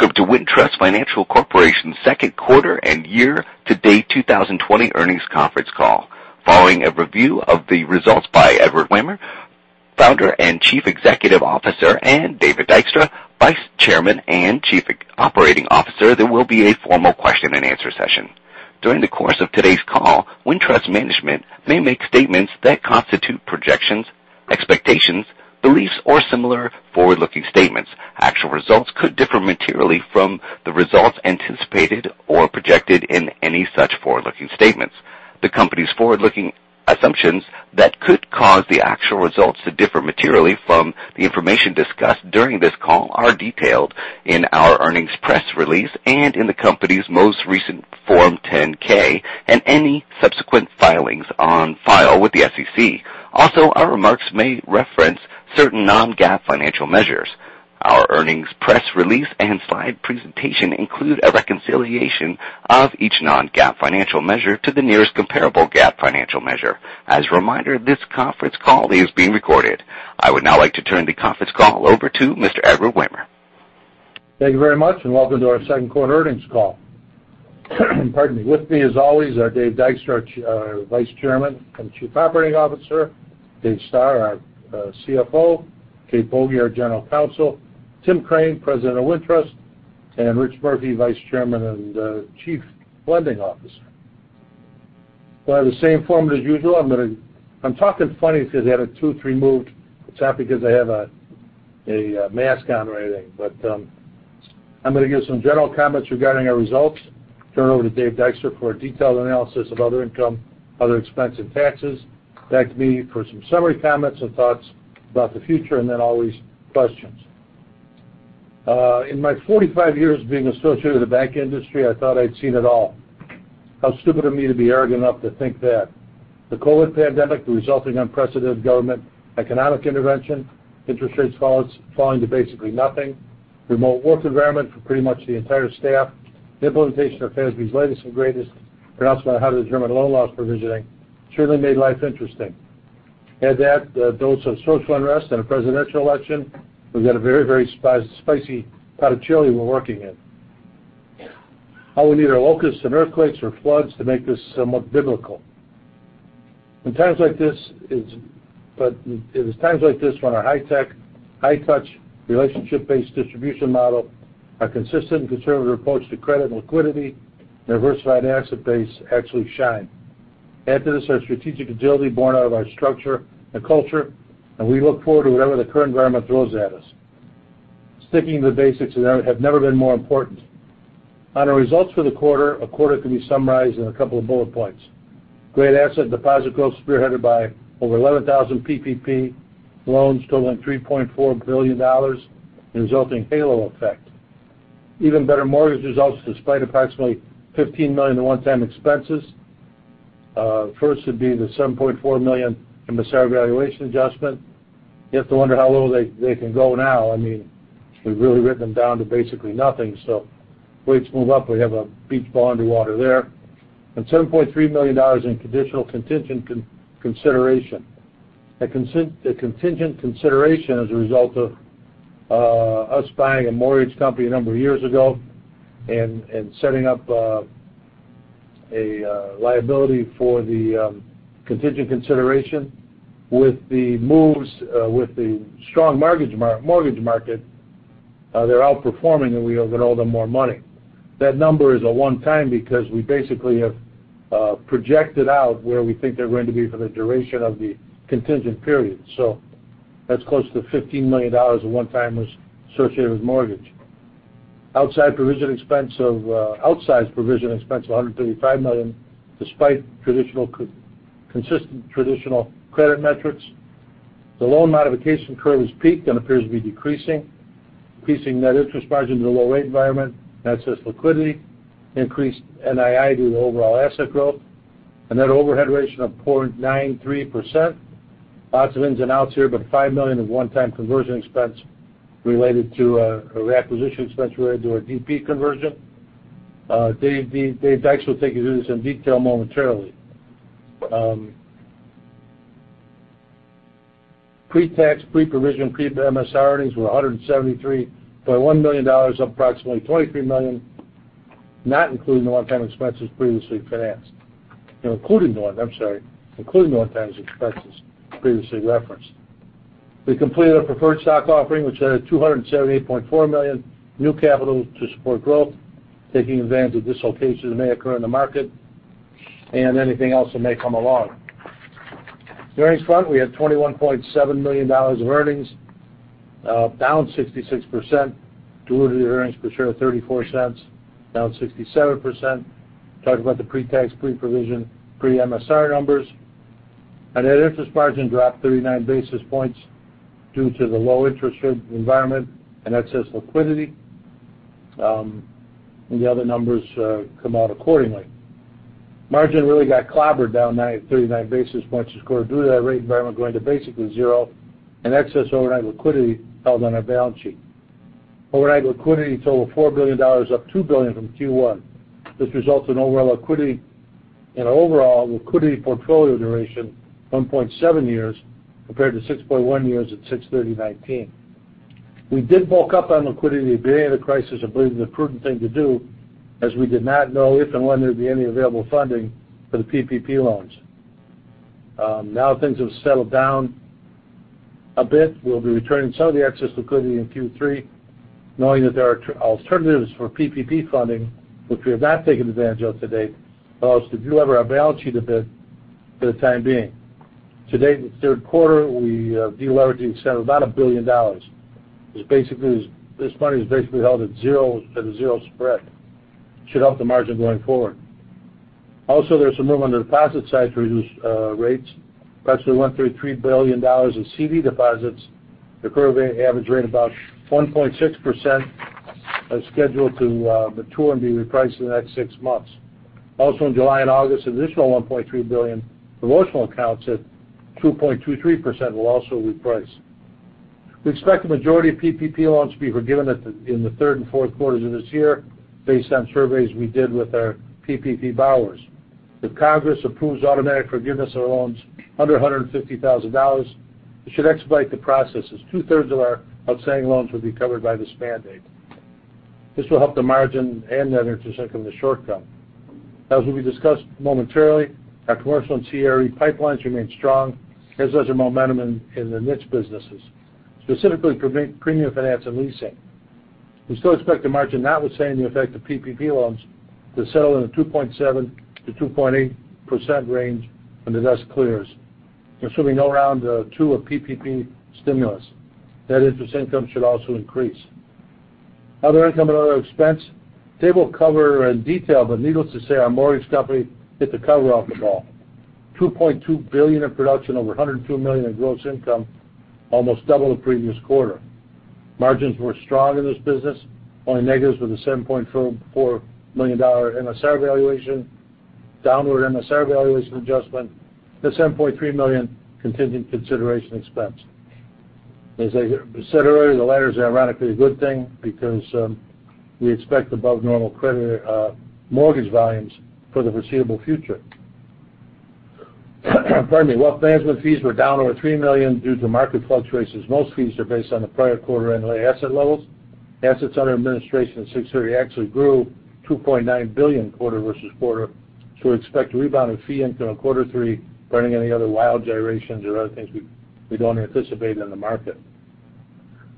Welcome to Wintrust Financial Corporation's second quarter and year-to-date 2020 earnings conference call. Following a review of the results by Edward Wehmer, Founder and Chief Executive Officer, and David Dykstra, Vice Chairman and Chief Operating Officer, there will be a formal question-and-answer session. During the course of today's call, Wintrust management may make statements that constitute projections, expectations, beliefs, or similar forward-looking statements. Actual results could differ materially from the results anticipated or projected in any such forward-looking statements. The company's forward-looking assumptions that could cause the actual results to differ materially from the information discussed during this call are detailed in our earnings press release and in the company's most recent Form 10-K, and any subsequent filings on file with the SEC. Also, our remarks may reference certain non-GAAP financial measures. Our earnings press release and slide presentation include a reconciliation of each non-GAAP financial measure to the nearest comparable GAAP financial measure. As a reminder, this conference call is being recorded. I would now like to turn the conference call over to Mr. Edward Wehmer. Thank you very much, and welcome to our second quarter earnings call. Pardon me. With me, as always, are Dave Dykstra, our vice chairman and chief operating officer, Dave Stoehr, our CFO, Kate Boege, general counsel, Tim Crane, president of Wintrust, and Rich Murphy, vice chairman and chief lending officer. We'll have the same format as usual. I'm talking funny because I had a tooth removed. It's not because I have a mask on or anything. I'm going to give some general comments regarding our results, turn it over to Dave Dykstra for a detailed analysis of other income, other expense, and taxes. Back to me for some summary comments and thoughts about the future, and then I'll raise questions. In my 45 years of being associated with the bank industry, I thought I'd seen it all. How stupid of me to be arrogant enough to think that. The COVID pandemic, the resulting unprecedented government economic intervention, interest rates falling to basically nothing, remote work environment for pretty much the entire staff, the implementation of FASB's latest and greatest pronouncement on how to determine loan loss provisioning, surely made life interesting. Add that, a dose of social unrest, and a presidential election, we've got a very spicy pot of chili we're working in. All we need are locusts and earthquakes or floods to make this somewhat biblical. It is times like this when our high-tech, high-touch, relationship-based distribution model, our consistent and conservative approach to credit and liquidity, and diversified asset base actually shine. Add to this our strategic agility born out of our structure and culture, we look forward to whatever the current environment throws at us. Sticking to the basics have never been more important. On our results for the quarter, our quarter can be summarized in a couple of bullet points. Great asset and deposit growth spearheaded by over 11,000 PPP loans totaling $3.4 billion, the resulting halo effect. Even better mortgage results despite approximately $15 million of one-time expenses. First would be the $7.4 million MSR valuation adjustment. You have to wonder how low they can go now. We've really written them down to basically nothing. Rates move up, we have a beach ball underwater there. $7.3 million in conditional contingent consideration. A contingent consideration as a result of us buying a mortgage company a number of years ago and setting up a liability for the contingent consideration. With the strong mortgage market, they're outperforming, and we owe them more money. That number is a one-time because we basically have projected out where we think they're going to be for the duration of the contingent period. That's close to $15 million of one-timers associated with mortgage. Outsized provision expense of $135 million despite consistent traditional credit metrics. The loan modification curve has peaked and appears to be decreasing. Increasing net interest margin in a low rate environment. Excess liquidity. Increased NII due to overall asset growth. A net overhead ratio of 0.93%. Lots of ins and outs here, $5 million of one-time conversion expense related to a reacquisition expense related to our DP conversion. Dave Dykstra will take you through this in detail momentarily. Pre-tax, pre-provision, pre-MSR earnings were $173.1 million, up approximately $23 million, including the one-time expenses previously referenced. We completed our preferred stock offering, which added $278.4 million new capital to support growth, taking advantage of dislocations that may occur in the market and anything else that may come along. The earnings front, we had $21.7 million of earnings, down 66%, diluted earnings per share of $0.34, down 67%. Talk about the pre-tax, pre-provision, pre-MSR numbers. Net interest margin dropped 39 basis points due to the low interest rate environment and excess liquidity. The other numbers come out accordingly. Margin really got clobbered, down 39 basis points this quarter due to that rate environment going to basically zero and excess overnight liquidity held on our balance sheet. Overnight liquidity total of $4 billion, up $2 billion from Q1. This results in overall liquidity portfolio duration, 1.7 years compared to 6.1 years at June 30, 2019. We did bulk up on liquidity at the beginning of the crisis. I believe the prudent thing to do, as we did not know if and when there'd be any available funding for the PPP loans. Things have settled down a bit. We'll be returning some of the excess liquidity in Q3, knowing that there are alternatives for PPP funding, which we have not taken advantage of to date, allows to de-lever our balance sheet a bit for the time being. To date, in the third quarter, we de-levered to the extent of about $1 billion. This money is basically held at a zero spread. It should help the margin going forward. There's some movement on the deposit side through these rates. Approximately $133 billion of CD deposits that currently average rate about 1.6%, are scheduled to mature and be repriced in the next six months. In July and August, an additional 1.3 billion promotional accounts at 2.23% will also reprice. We expect the majority of PPP loans to be forgiven in the third and fourth quarters of this year, based on surveys we did with our PPP borrowers. If Congress approves automatic forgiveness of loans under $150,000, it should expedite the processes. Two-thirds of our outstanding loans will be covered by this mandate. This will help the margin and the net interest income in the short term. As will be discussed momentarily, our commercial and CRE pipelines remain strong, as does our momentum in the niche businesses, specifically premium finance and leasing. We still expect the margin, notwithstanding the effect of PPP loans, to settle in the 2.7%-2.8% range when the dust clears, assuming no round 2 of PPP stimulus. Net interest income should also increase. Other income and other expense. Dave'll cover in detail, but needless to say, our mortgage company hit the cover off the ball. $2.2 billion in production, over $102 million in gross income, almost double the previous quarter. Margins were strong in this business. Only negatives were the $7.4 million MSR valuation, downward MSR valuation adjustment, the $7.3 million contingent consideration expense. As I said earlier, the latter is ironically a good thing because we expect above normal credit mortgage volumes for the foreseeable future. Pardon me. Wealth management fees were down over $3 million due to market fluctuations. Most fees are based on the prior quarter end asset levels. Assets under administration at 6/30 actually grew $2.9 billion quarter versus quarter. Expect a rebound in fee income in quarter three, barring any other wild gyrations or other things we don't anticipate in the market.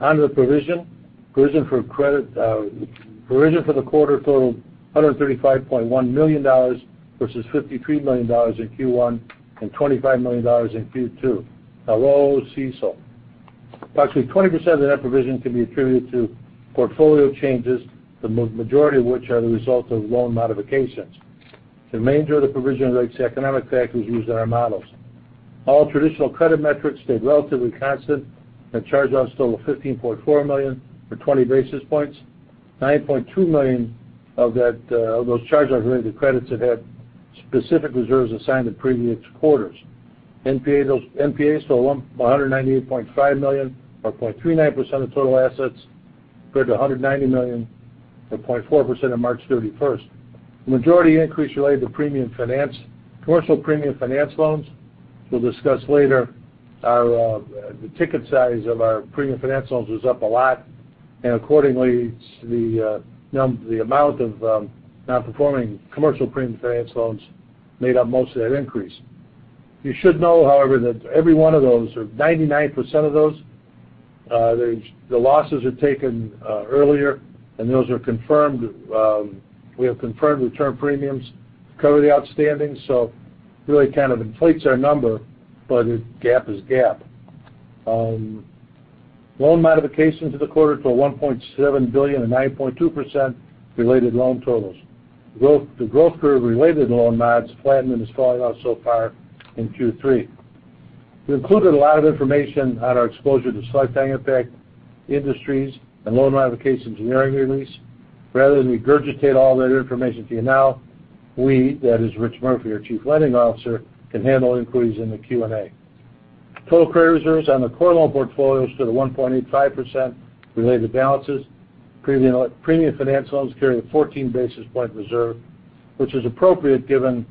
On to the provision. Provision for the quarter totaled $135.1 million, versus $53 million in Q1 and $25 million in Q2. A low CECL. Approximately 20% of that provision can be attributed to portfolio changes, the majority of which are the result of loan modifications. The remainder of the provision relates to economic factors used in our models. All traditional credit metrics stayed relatively constant, and charge-offs totaled $15.4 million or 20 basis points. $9.2 million of those charge-offs related to credits that had specific reserves assigned in previous quarters. NPAs total $198.5 million or 0.39% of total assets, compared to $190 million or 0.4% on March 31st. The majority increase related to commercial premium finance loans. We'll discuss later. The ticket size of our premium finance loans was up a lot, and accordingly, the amount of non-performing commercial premium finance loans made up most of that increase. You should know, however, that every one of those, or 99% of those, the losses are taken earlier, and we have confirmed return premiums cover the outstanding. Really kind of inflates our number, but a GAAP is a GAAP. Loan modifications for the quarter to $1.7 billion or 9.2% related loan totals. The growth curve related to loan mods flattened and is falling off so far in Q3. We included a lot of information on our exposure to select bank-impact industries and loan modification earnings release. Rather than regurgitate all that information to you now, we, that is Rich Murphy, our Chief Lending Officer, can handle inquiries in the Q&A. Total credit reserves on the core loan portfolio stood at 1.85% related to balances. Premium finance loans carry a 14 basis point reserve, which is appropriate given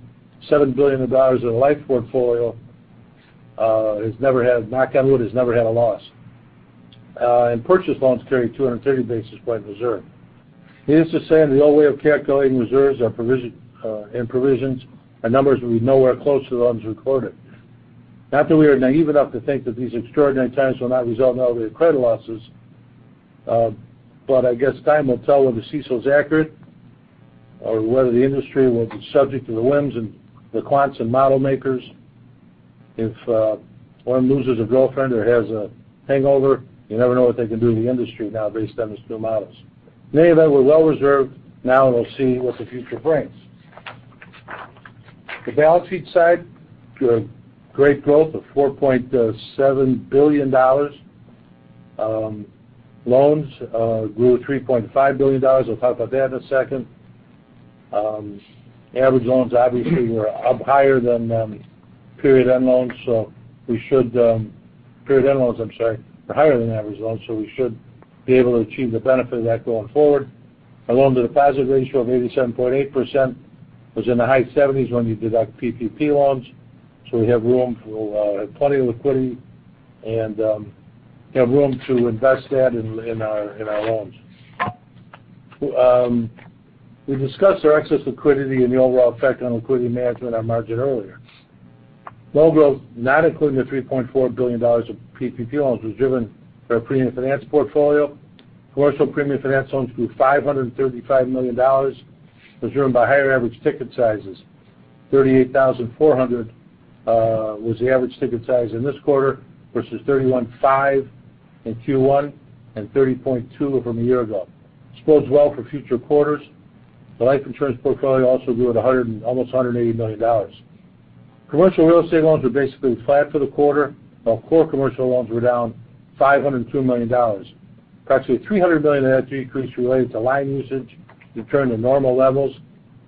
$7 billion of the life portfolio, knock on wood, has never had a loss. Purchase loans carry 230 basis point reserve. Needless to say, in the old way of calculating reserves and provisions, our numbers would be nowhere close to the ones recorded. Not that we are naive enough to think that these extraordinary times will not result in elevated credit losses. I guess time will tell whether CECL is accurate or whether the industry will be subject to the whims and the quants and model makers. If one loses a girlfriend or has a hangover, you never know what they can do to the industry now based on these new models. Many of them were well reserved. Now we'll see what the future brings. The balance sheet side, great growth of $4.7 billion. Loans grew $3.5 billion. We'll talk about that in a second. Average loans obviously were up higher than period end loans. Period end loans, I'm sorry, are higher than average loans, so we should be able to achieve the benefit of that going forward. Our loan-to-deposit ratio of 87.8% was in the high 70s when you deduct PPP loans. We have room for, we'll have plenty of liquidity and have room to invest that in our loans. We discussed our excess liquidity and the overall effect on liquidity management on margin earlier. Loan growth, not including the $3.4 billion of PPP loans, was driven by our premium finance portfolio. Commercial premium finance loans grew $535 million. It was driven by higher average ticket sizes. 38,400 was the average ticket size in this quarter, versus 31,500 in Q1 and 30.2 from a year ago. This bodes well for future quarters. The life insurance portfolio also grew almost $180 million. Commercial real estate loans were basically flat for the quarter, while core commercial loans were down $502 million. Approximately $300 million of that decrease related to line usage returned to normal levels.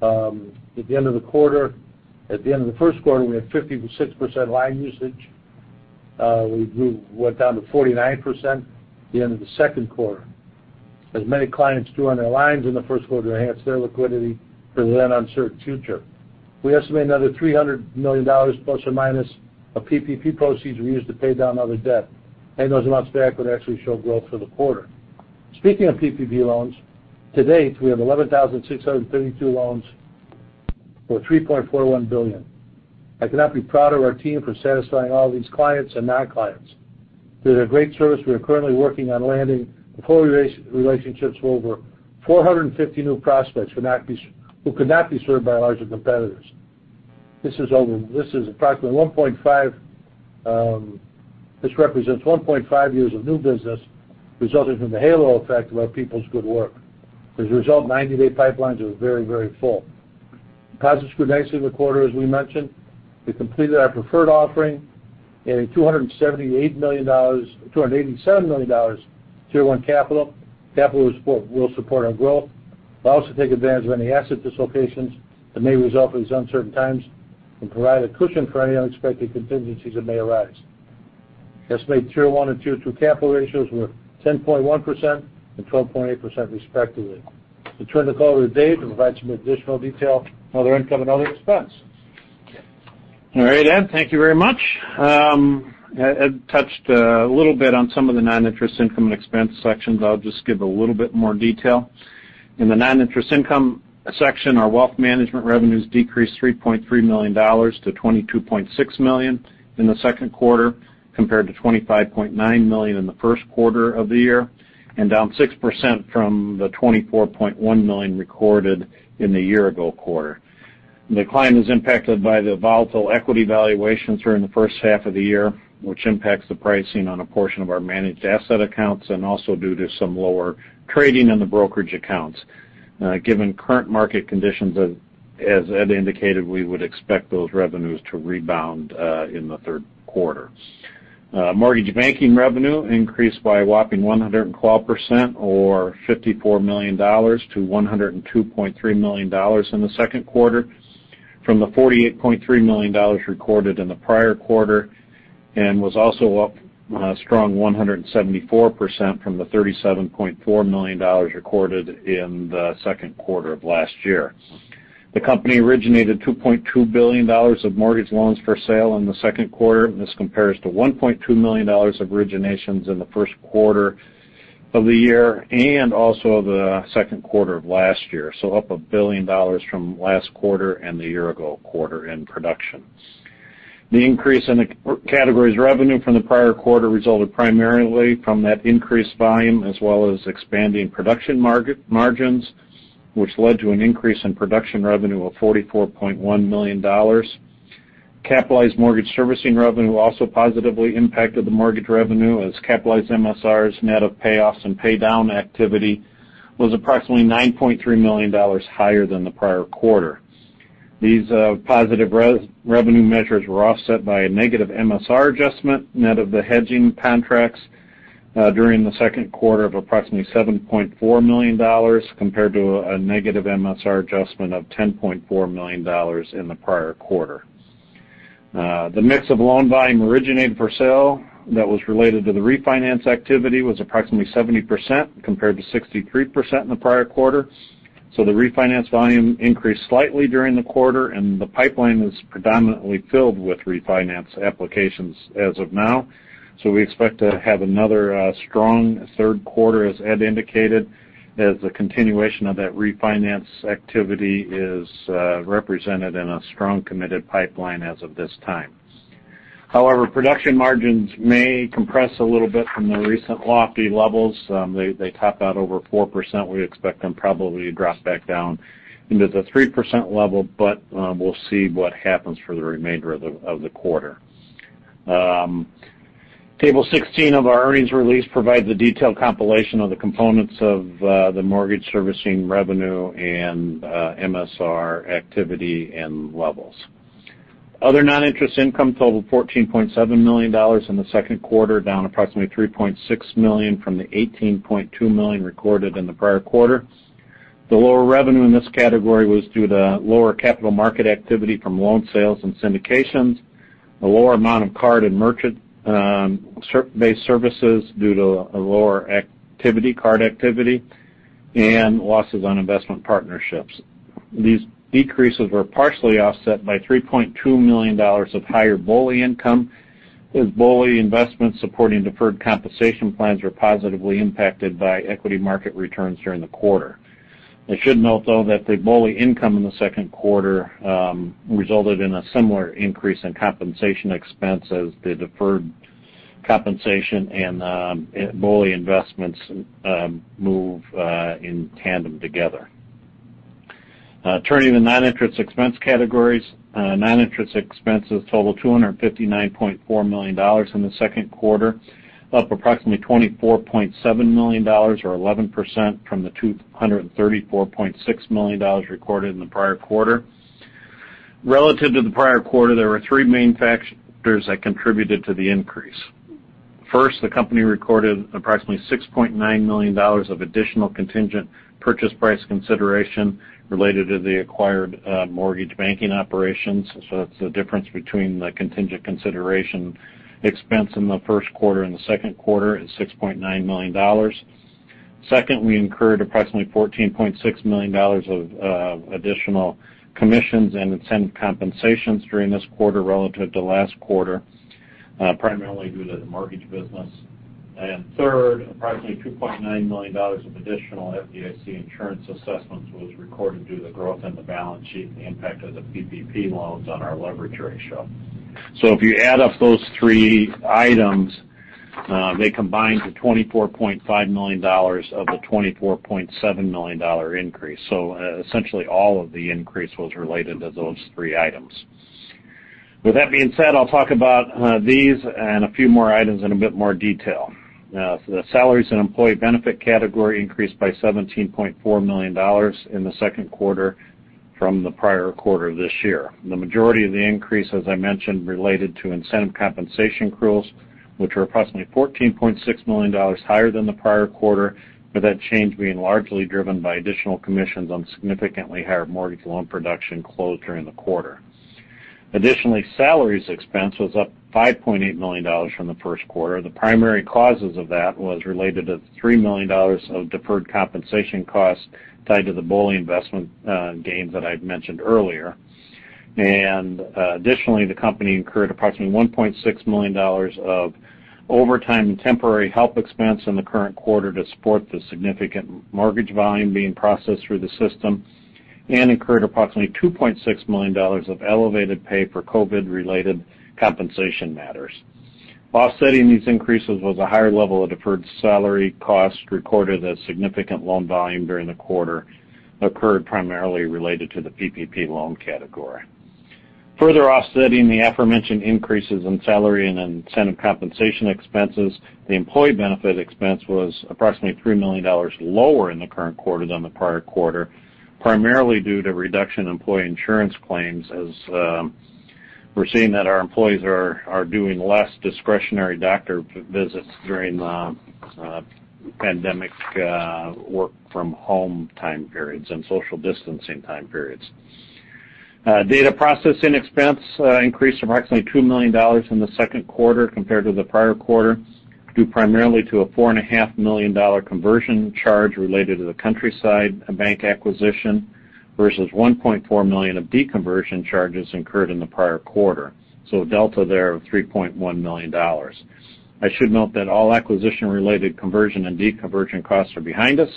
At the end of the first quarter, we had 56% line usage. We went down to 45% at the end of the second quarter. Many clients drew on their lines in the first quarter to enhance their liquidity for that uncertain future. We estimate another $300 million ± of PPP proceeds were used to pay down other debt. Paying those amounts back would actually show growth for the quarter. Speaking of PPP loans, to date, we have 11,632 loans for $3.41 billion. I could not be prouder of our team for satisfying all these clients and non-clients. They did a great service. We are currently working on landing portfolio relationships with over 450 new prospects who could not be served by our larger competitors. This represents 1.5 years of new business resulting from the halo effect of our people's good work. As a result, 90-day pipelines are very, very full. Deposits grew nicely in the quarter, as we mentioned. We completed our preferred offering, adding $278 million, $287 million, Tier 1 capital. Capital will support our growth, but also take advantage of any asset dislocations that may result from these uncertain times and provide a cushion for any unexpected contingencies that may arise. Estimated Tier 1 and Tier 2 capital ratios were 10.1% and 12.8%, respectively. I'll turn the call to Dave to provide some additional detail on other income and other expense. All right, Ed. Thank you very much. Ed touched a little bit on some of the non-interest income and expense sections. I'll just give a little bit more detail. In the non-interest income section, our wealth management revenues decreased $3.3 million to $22.6 million in the second quarter, compared to $25.9 million in the first quarter of the year, and down 6% from the $24.1 million recorded in the year-ago quarter. The decline is impacted by the volatile equity valuations during the first half of the year, which impacts the pricing on a portion of our managed asset accounts and also due to some lower trading in the brokerage accounts. Given current market conditions, as Ed indicated, we would expect those revenues to rebound in the third quarter. Mortgage banking revenue increased by a whopping 112%, or $54 million, to $102.3 million in the second quarter from the $48.3 million recorded in the prior quarter. Was also up a strong 174% from the $37.4 million recorded in the second quarter of last year. The company originated $2.2 billion of mortgage loans for sale in the second quarter. This compares to $1.2 million of originations in the first quarter of the year and also the second quarter of last year. Up $1 billion from last quarter and the year-ago quarter in production. The increase in the category's revenue from the prior quarter resulted primarily from that increased volume as well as expanding production margins, which led to an increase in production revenue of $44.1 million. Capitalized mortgage servicing revenue also positively impacted the mortgage revenue as capitalized MSRs net of payoffs and pay down activity was approximately $9.3 million higher than the prior quarter. These positive revenue measures were offset by a negative MSR adjustment net of the hedging contracts during the second quarter of approximately $7.4 million compared to a negative MSR adjustment of $10.4 million in the prior quarter. The mix of loan volume originated for sale that was related to the refinance activity was approximately 70%, compared to 63% in the prior quarter. The refinance volume increased slightly during the quarter, and the pipeline is predominantly filled with refinance applications as of now. We expect to have another strong third quarter, as Ed indicated, as the continuation of that refinance activity is represented in a strong, committed pipeline as of this time. However, production margins may compress a little bit from the recent lofty levels. They topped out over 4%. We expect them probably to drop back down into the 3% level, but we'll see what happens for the remainder of the quarter. Table 16 of our earnings release provides a detailed compilation of the components of the mortgage servicing revenue and MSR activity and levels. Other non-interest income totaled $14.7 million in the second quarter, down approximately $3.6 million from the $18.2 million recorded in the prior quarter. The lower revenue in this category was due to lower capital market activity from loan sales and syndications, a lower amount of card and merchant-based services due to a lower activity, card activity, and losses on investment partnerships. These decreases were partially offset by $3.2 million of higher BOLI income, as BOLI investments supporting deferred compensation plans were positively impacted by equity market returns during the quarter. I should note, though, that the BOLI income in the second quarter resulted in a similar increase in compensation expense as the deferred compensation and BOLI investments move in tandem together. Turning to non-interest expense categories. Non-interest expenses totaled $259.4 million in the second quarter, up approximately $24.7 million, or 11%, from the $234.6 million recorded in the prior quarter. Relative to the prior quarter, there were three main factors that contributed to the increase. First, the company recorded approximately $6.9 million of additional contingent purchase price consideration related to the acquired mortgage banking operations. That's the difference between the contingent consideration expense in the first quarter and the second quarter at $6.9 million. We incurred approximately $14.6 million of additional commissions and incentive compensations during this quarter relative to last quarter, primarily due to the mortgage business. Approximately $2.9 million of additional FDIC insurance assessments was recorded due to growth in the balance sheet and the impact of the PPP loans on our leverage ratio. If you add up those three items, they combine to $24.5 million of the $24.7 million increase. Essentially, all of the increase was related to those three items. With that being said, I'll talk about these and a few more items in a bit more detail. The salaries and employee benefit category increased by $17.4 million in the second quarter from the prior quarter this year. The majority of the increase, as I mentioned, related to incentive compensation accruals, which were approximately $14.6 million higher than the prior quarter, with that change being largely driven by additional commissions on significantly higher mortgage loan production closed during the quarter. Additionally, salaries expense was up $5.8 million from the first quarter. The primary causes of that was related to $3 million of deferred compensation costs tied to the BOLI investment gains that I'd mentioned earlier. Additionally, the company incurred approximately $1.6 million of overtime and temporary help expense in the current quarter to support the significant mortgage volume being processed through the system and incurred approximately $2.6 million of elevated pay for COVID-related compensation matters. Offsetting these increases was a higher level of deferred salary costs recorded as significant loan volume during the quarter occurred primarily related to the PPP loan category. Further offsetting the aforementioned increases in salary and incentive compensation expenses, the employee benefit expense was approximately $3 million lower in the current quarter than the prior quarter, primarily due to a reduction in employee insurance claims, as we're seeing that our employees are doing less discretionary doctor visits during the pandemic work from home time periods and social distancing time periods. Data processing expense increased approximately $2 million in the second quarter compared to the prior quarter, due primarily to a $4.5 million conversion charge related to the Countryside Bank acquisition versus $1.4 million of deconversion charges incurred in the prior quarter. Delta there of $3.1 million. I should note that all acquisition-related conversion and deconversion costs are behind us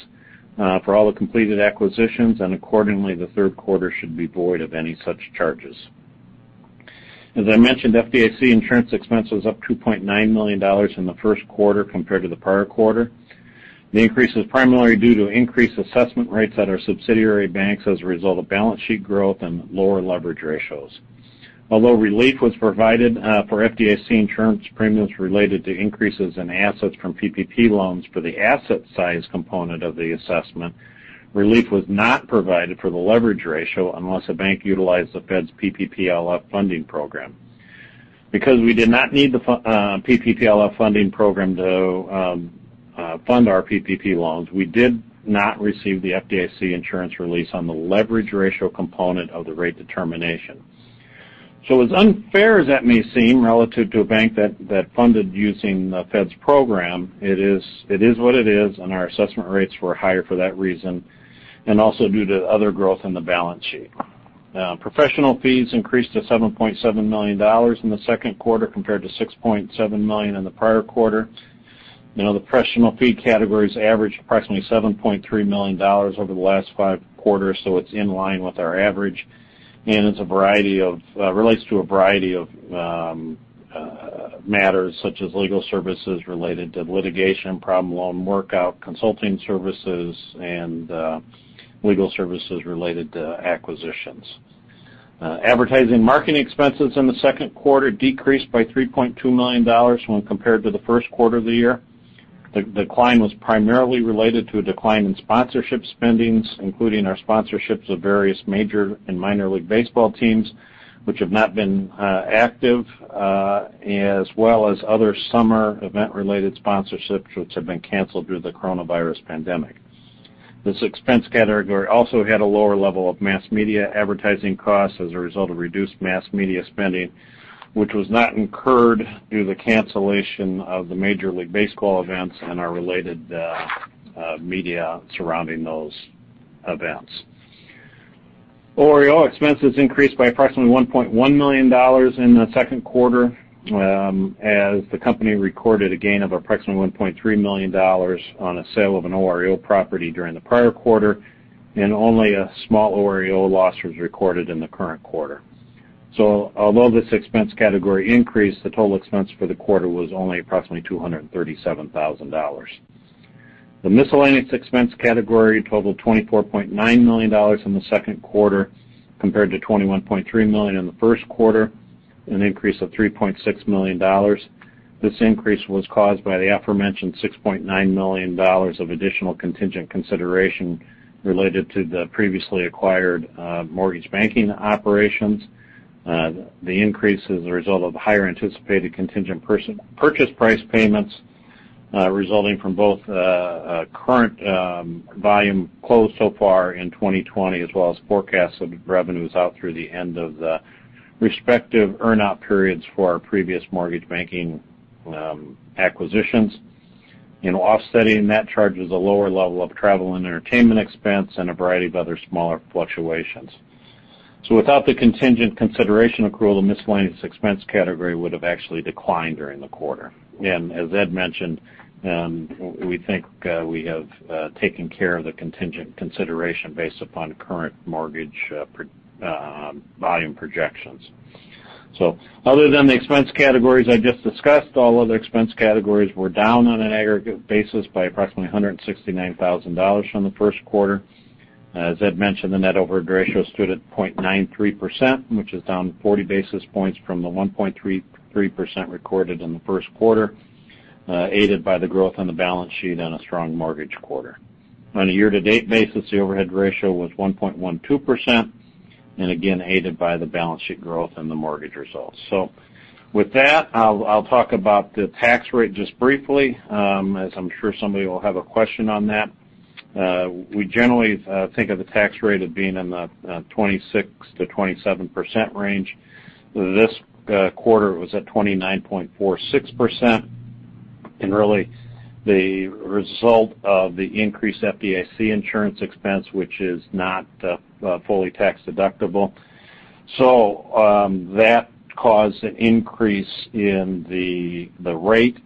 for all the completed acquisitions, and accordingly, the third quarter should be void of any such charges. As I mentioned, FDIC insurance expense was up $2.9 million in the first quarter compared to the prior quarter. The increase was primarily due to increased assessment rates at our subsidiary banks as a result of balance sheet growth and lower leverage ratios. Relief was provided for FDIC insurance premiums related to increases in assets from PPP loans for the asset size component of the assessment, relief was not provided for the leverage ratio unless a bank utilized the Fed's PPPLF funding program. We did not need the PPPLF funding program to fund our PPP loans, we did not receive the FDIC insurance release on the leverage ratio component of the rate determination. As unfair as that may seem relative to a bank that funded using the Fed's program, it is what it is, and our assessment rates were higher for that reason, and also due to other growth in the balance sheet. Professional fees increased to $7.7 million in the second quarter, compared to $6.7 million in the prior quarter. The professional fee categories averaged approximately $7.3 million over the last five quarters, it's in line with our average, and it relates to a variety of matters, such as legal services related to litigation, problem loan workout, consulting services, and legal services related to acquisitions. Advertising marketing expenses in the second quarter decreased by $3.2 million when compared to the first quarter of the year. The decline was primarily related to a decline in sponsorship spendings, including our sponsorships of various Major and Minor League Baseball teams, which have not been active, as well as other summer event-related sponsorships which have been canceled due to the coronavirus pandemic. This expense category also had a lower level of mass media advertising costs as a result of reduced mass media spending, which was not incurred due to the cancellation of the Major League Baseball events and our related media surrounding those events. OREO expenses increased by approximately $1.1 million in the second quarter as the company recorded a gain of approximately $1.3 million on a sale of an OREO property during the prior quarter, and only a small OREO loss was recorded in the current quarter. Although this expense category increased, the total expense for the quarter was only approximately $237,000. The miscellaneous expense category totaled $24.9 million in the second quarter, compared to $21.3 million in the first quarter, an increase of $3.6 million. This increase was caused by the aforementioned $6.9 million of additional contingent consideration related to the previously acquired mortgage banking operations. The increase is a result of higher anticipated contingent purchase price payments, resulting from both current volume closed so far in 2020, as well as forecasts of revenues out through the end of the respective earn-out periods for our previous mortgage banking acquisitions. Offsetting that charge was a lower level of travel and entertainment expense and a variety of other smaller fluctuations. Without the contingent consideration accrual, the miscellaneous expense category would have actually declined during the quarter. As Ed mentioned, we think we have taken care of the contingent consideration based upon current mortgage volume projections. Other than the expense categories I just discussed, all other expense categories were down on an aggregate basis by approximately $169,000 from the first quarter. As Ed mentioned, the net overhead ratio stood at 0.93%, which is down 40 basis points from the 1.33% recorded in the first quarter, aided by the growth on the balance sheet and a strong mortgage quarter. On a year-to-date basis, the overhead ratio was 1.12%, again, aided by the balance sheet growth and the mortgage results. With that, I'll talk about the tax rate just briefly, as I'm sure somebody will have a question on that. We generally think of the tax rate as being in the 26%-27% range. This quarter was at 29.46%, really the result of the increased FDIC insurance expense, which is not fully tax-deductible. That caused an increase in the rate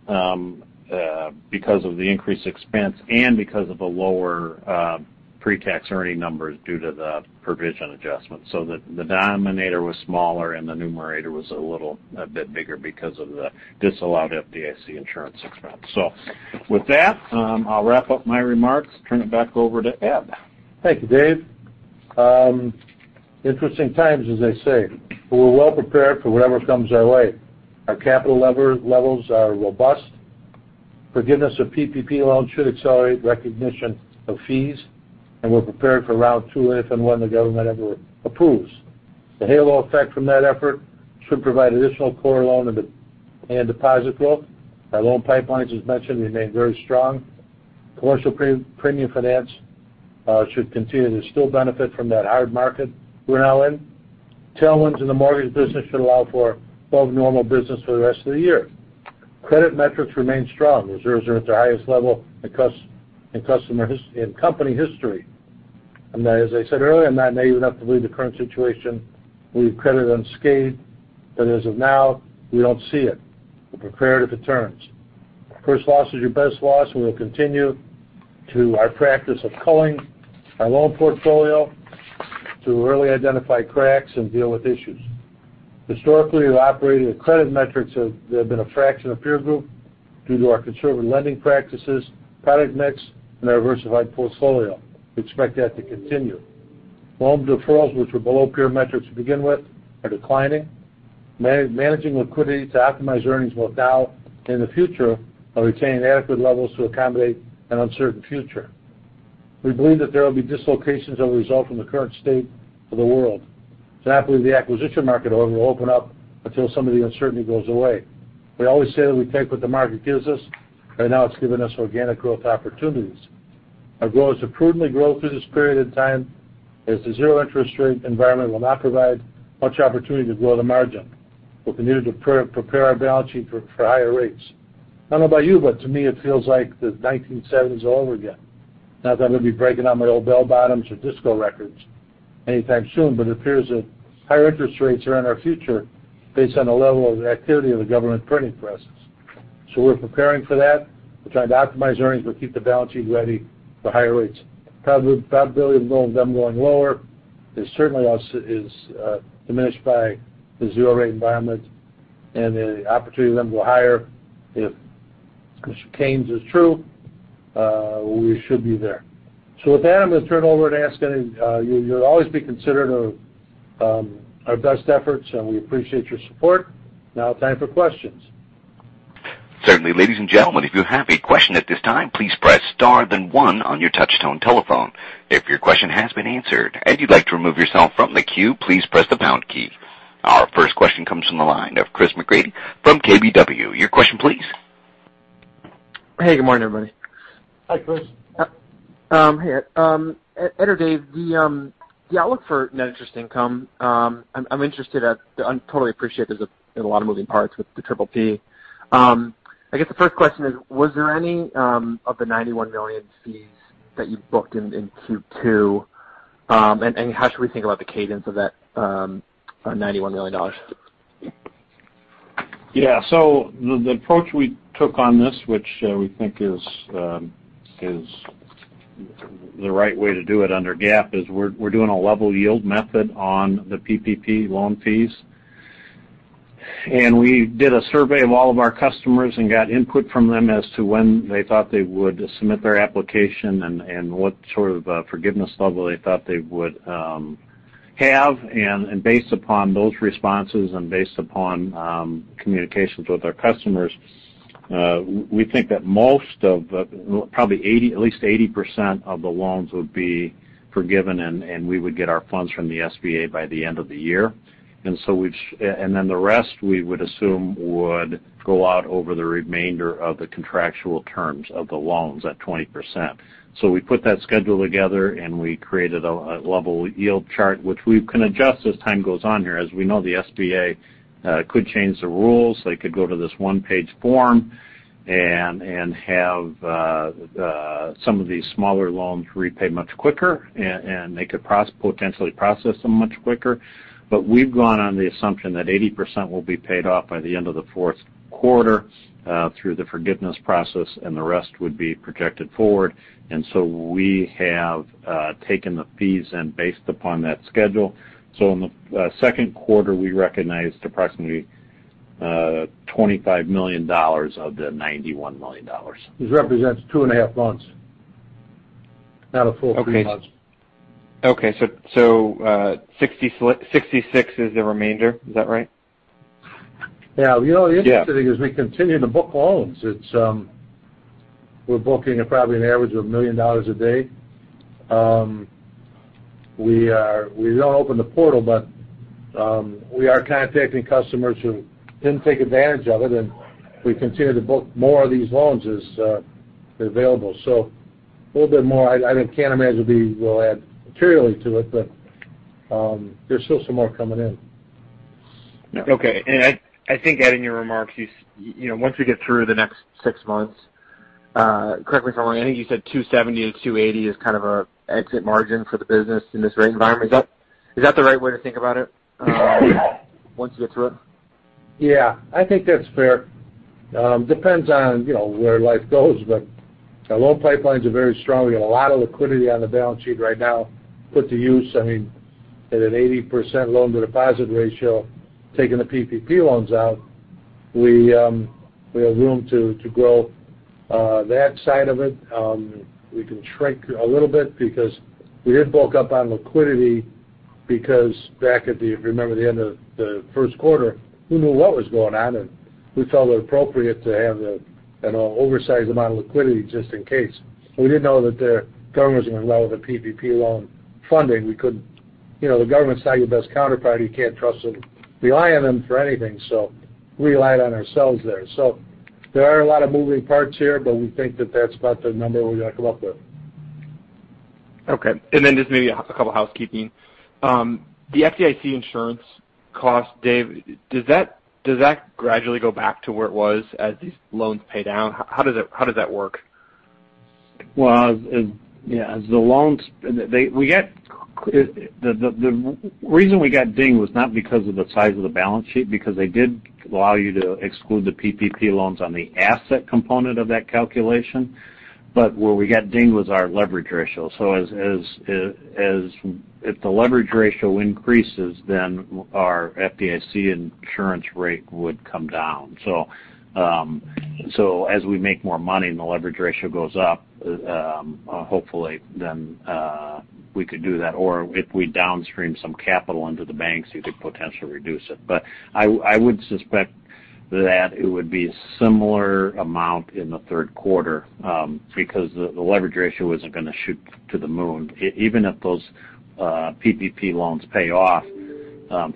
because of the increased expense and because of the lower pre-tax earning numbers due to the provision adjustment. The denominator was smaller, and the numerator was a little bit bigger because of the disallowed FDIC insurance expense. With that, I'll wrap up my remarks and turn it back over to Ed. Thank you, Dave. Interesting times, as they say, but we're well prepared for whatever comes our way. Our capital levels are robust. Forgiveness of PPP loans should accelerate recognition of fees, we're prepared for round two if and when the government ever approves. The halo effect from that effort should provide additional core loan and deposit growth. Our loan pipelines, as mentioned, remain very strong. Commercial premium finance should continue to still benefit from that hard market we're now in. Tailwinds in the mortgage business should allow for above-normal business for the rest of the year. Credit metrics remain strong. Reserves are at their highest level in company history. As I said earlier, and that may even have to lead the current situation, we credit unscathed, but as of now, we don't see it. We're prepared if it turns. First loss is your best loss. We'll continue to our practice of culling our loan portfolio to really identify cracks and deal with issues. Historically, we've operated at credit metrics that have been a fraction of peer group due to our conservative lending practices, product mix, and our diversified portfolio. We expect that to continue. Loan deferrals, which were below peer metrics to begin with, are declining. Managing liquidity to optimize earnings both now and in the future while retaining adequate levels to accommodate an uncertain future. We believe that there will be dislocations that result from the current state of the world. I don't believe the acquisition market will open up until some of the uncertainty goes away. We always say that we take what the market gives us. Right now, it's given us organic growth opportunities. Our goal is to prudently grow through this period in time, as the zero interest rate environment will not provide much opportunity to grow the margin. We'll continue to prepare our balance sheet for higher rates. I don't know about you, but to me, it feels like the 1970s all over again. Not that I'm going to be breaking out my old bell-bottoms or disco records anytime soon, but it appears that higher interest rates are in our future based on the level of activity of the government printing presses. We're preparing for that. We're trying to optimize earnings. We'll keep the balance sheet ready for higher rates. Probability of them going lower is certainly diminished by the zero rate environment, and the opportunity of them to go higher, if Mr. Keynes is true, we should be there. With that, I'm going to turn over and ask you. You'll always be considered our best efforts, and we appreciate your support. Now time for questions. Certainly. Ladies and gentlemen, if you have a question at this time, please press star then one on your touchtone telephone. If your question has been answered and you'd like to remove yourself from the queue, please press the pound key. Our first question comes from the line of Chris McGratty from KBW. Your question, please. Hey, good morning, everybody. Hi, Chris. Hey. Ed or Dave, the outlook for net interest income. I totally appreciate there's a lot of moving parts with the PPP. I guess the first question is, was there any of the $91 million fees that you booked in Q2? How should we think about the cadence of that $91 million? Yeah. The approach we took on this, which we think is the right way to do it under GAAP, is we're doing a level yield method on the PPP loan fees. We did a survey of all of our customers and got input from them as to when they thought they would submit their application and what sort of forgiveness level they thought they would have. Based upon those responses and based upon communications with our customers, we think that at least 80% of the loans would be forgiven, and we would get our funds from the SBA by the end of the year. The rest, we would assume would go out over the remainder of the contractual terms of the loans at 20%. We put that schedule together and we created a level yield chart, which we can adjust as time goes on here. As we know, the SBA could change the rules. They could go to this one-page form and have some of these smaller loans repaid much quicker, and they could potentially process them much quicker. We've gone on the assumption that 80% will be paid off by the end of the fourth quarter through the forgiveness process, and the rest would be projected forward. We have taken the fees and based upon that schedule. In the second quarter, we recognized approximately $25 million of the $91 million. This represents two and a half months. Not a full three months. Okay. $66 is the remainder. Is that right? Yeah. The interesting thing is we continue to book loans. We're booking at probably an average of $1 million a day. We don't open the portal, but we are contacting customers who didn't take advantage of it, and we continue to book more of these loans as they're available. A little bit more. I think [Canam] will add materially to it, but there's still some more coming in. Okay. I think, Ed, in your remarks, once we get through the next six months, correct me if I'm wrong, I think you said 270 to 280 basis points is kind of an exit margin for the business in this rate environment. Is that the right way to think about it once you get through it? Yeah, I think that's fair. Depends on where life goes, our loan pipelines are very strong. We got a lot of liquidity on the balance sheet right now put to use. I mean, at an 80% loan-to-deposit ratio, taking the PPP loans out, we have room to grow that side of it. We can shrink a little bit because we did bulk up on liquidity because back at the, if you remember, the end of the first quarter, who knew what was going on, and we felt it appropriate to have an oversized amount of liquidity just in case. We didn't know that the government was going to allow the PPP loan funding. The government's not your best counterparty. You can't trust them, rely on them for anything. We relied on ourselves there. There are a lot of moving parts here, but we think that that's about the number we're going to come up with. Okay. Just maybe a couple housekeeping, the FDIC insurance cost, Dave, does that gradually go back to where it was as these loans pay down? How does that work? The reason we got dinged was not because of the size of the balance sheet, because they did allow you to exclude the PPP loans on the asset component of that calculation. Where we got dinged was our leverage ratio. If the leverage ratio increases, then our FDIC insurance rate would come down. As we make more money and the leverage ratio goes up, hopefully, then we could do that. If we downstream some capital into the banks, you could potentially reduce it. I would suspect that it would be a similar amount in the third quarter because the leverage ratio isn't going to shoot to the moon. Even if those PPP loans pay off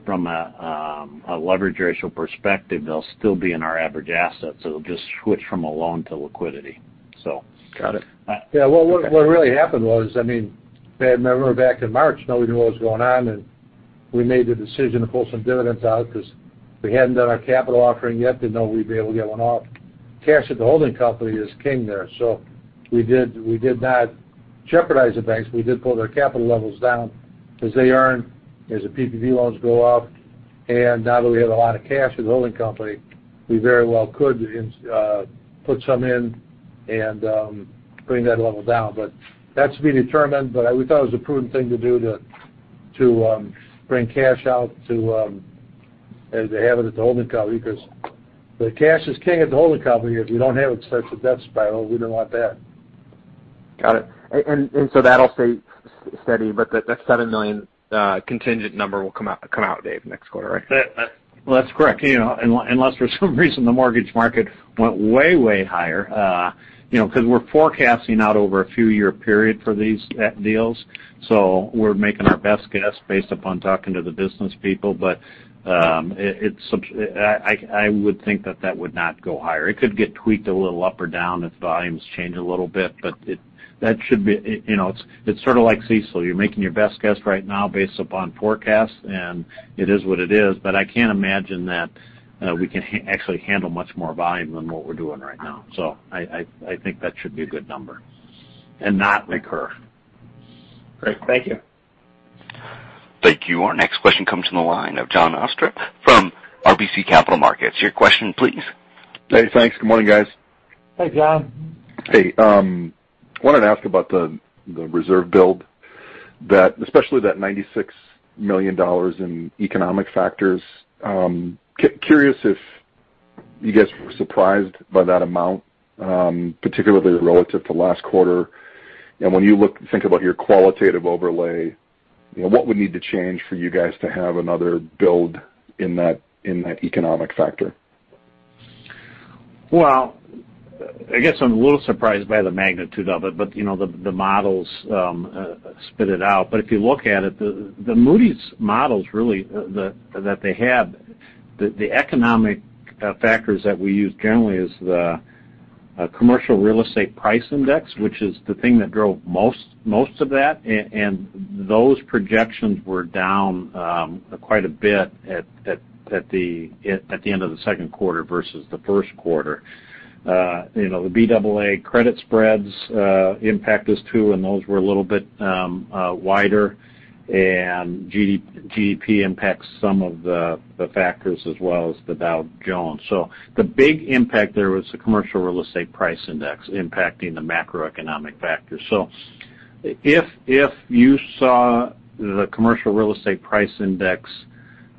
from a leverage ratio perspective, they'll still be in our average assets. It'll just switch from a loan to liquidity. Got it. Okay. Yeah. What really happened was, remember back in March, nobody knew what was going on, and we made the decision to pull some dividends out because we hadn't done our capital offering yet, didn't know we'd be able to get one off. Cash at the holding company is king there. We did not jeopardize the banks. We did pull their capital levels down as they earn, as the PPP loans go up. Now that we have a lot of cash as a holding company, we very well could put some in and bring that level down. That's to be determined. We thought it was a prudent thing to do to bring cash out to have it at the holding company, because the cash is king at the holding company. If you don't have it starts a debt spiral. We didn't want that. Got it. That'll stay steady, but that $7 million contingent number will come out, Dave, next quarter, right? That's correct. Unless for some reason the mortgage market went way higher, because we're forecasting out over a few year period for these deals. We're making our best guess based upon talking to the business people, but I would think that that would not go higher. It could get tweaked a little up or down if volumes change a little bit. It's sort of like CECL. You're making your best guess right now based upon forecasts, and it is what it is. I can't imagine that we can actually handle much more volume than what we're doing right now. I think that should be a good number and not recur. Great. Thank you. Thank you. Our next question comes from the line of Jon Arfstrom from RBC Capital Markets. Your question please. Hey, thanks. Good morning, guys. Hey, Jon. Hey. I wanted to ask about the reserve build, especially that $96 million in economic factors. I was curious if you guys were surprised by that amount, particularly relative to last quarter. When you think about your qualitative overlay, what would need to change for you guys to have another build in that economic factor? I guess I'm a little surprised by the magnitude of it, but the models spit it out. If you look at it, the Moody's models, really, that they have, the economic factors that we use generally is the commercial real estate price index, which is the thing that drove most of that. Those projections were down quite a bit at the end of the second quarter versus the first quarter. The Baa credit spreads impact us, too, and those were a little bit wider. GDP impacts some of the factors as well as the Dow Jones. The big impact there was the commercial real estate price index impacting the macroeconomic factors. If you saw the commercial real estate price index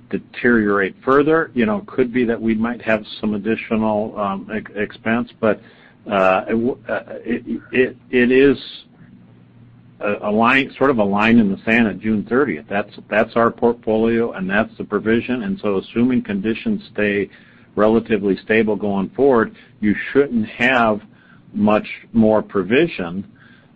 deteriorate further, it could be that we might have some additional expense, but it is sort of a line in the sand at June 30th. That's our portfolio, and that's the provision. Assuming conditions stay relatively stable going forward, you shouldn't have much more provision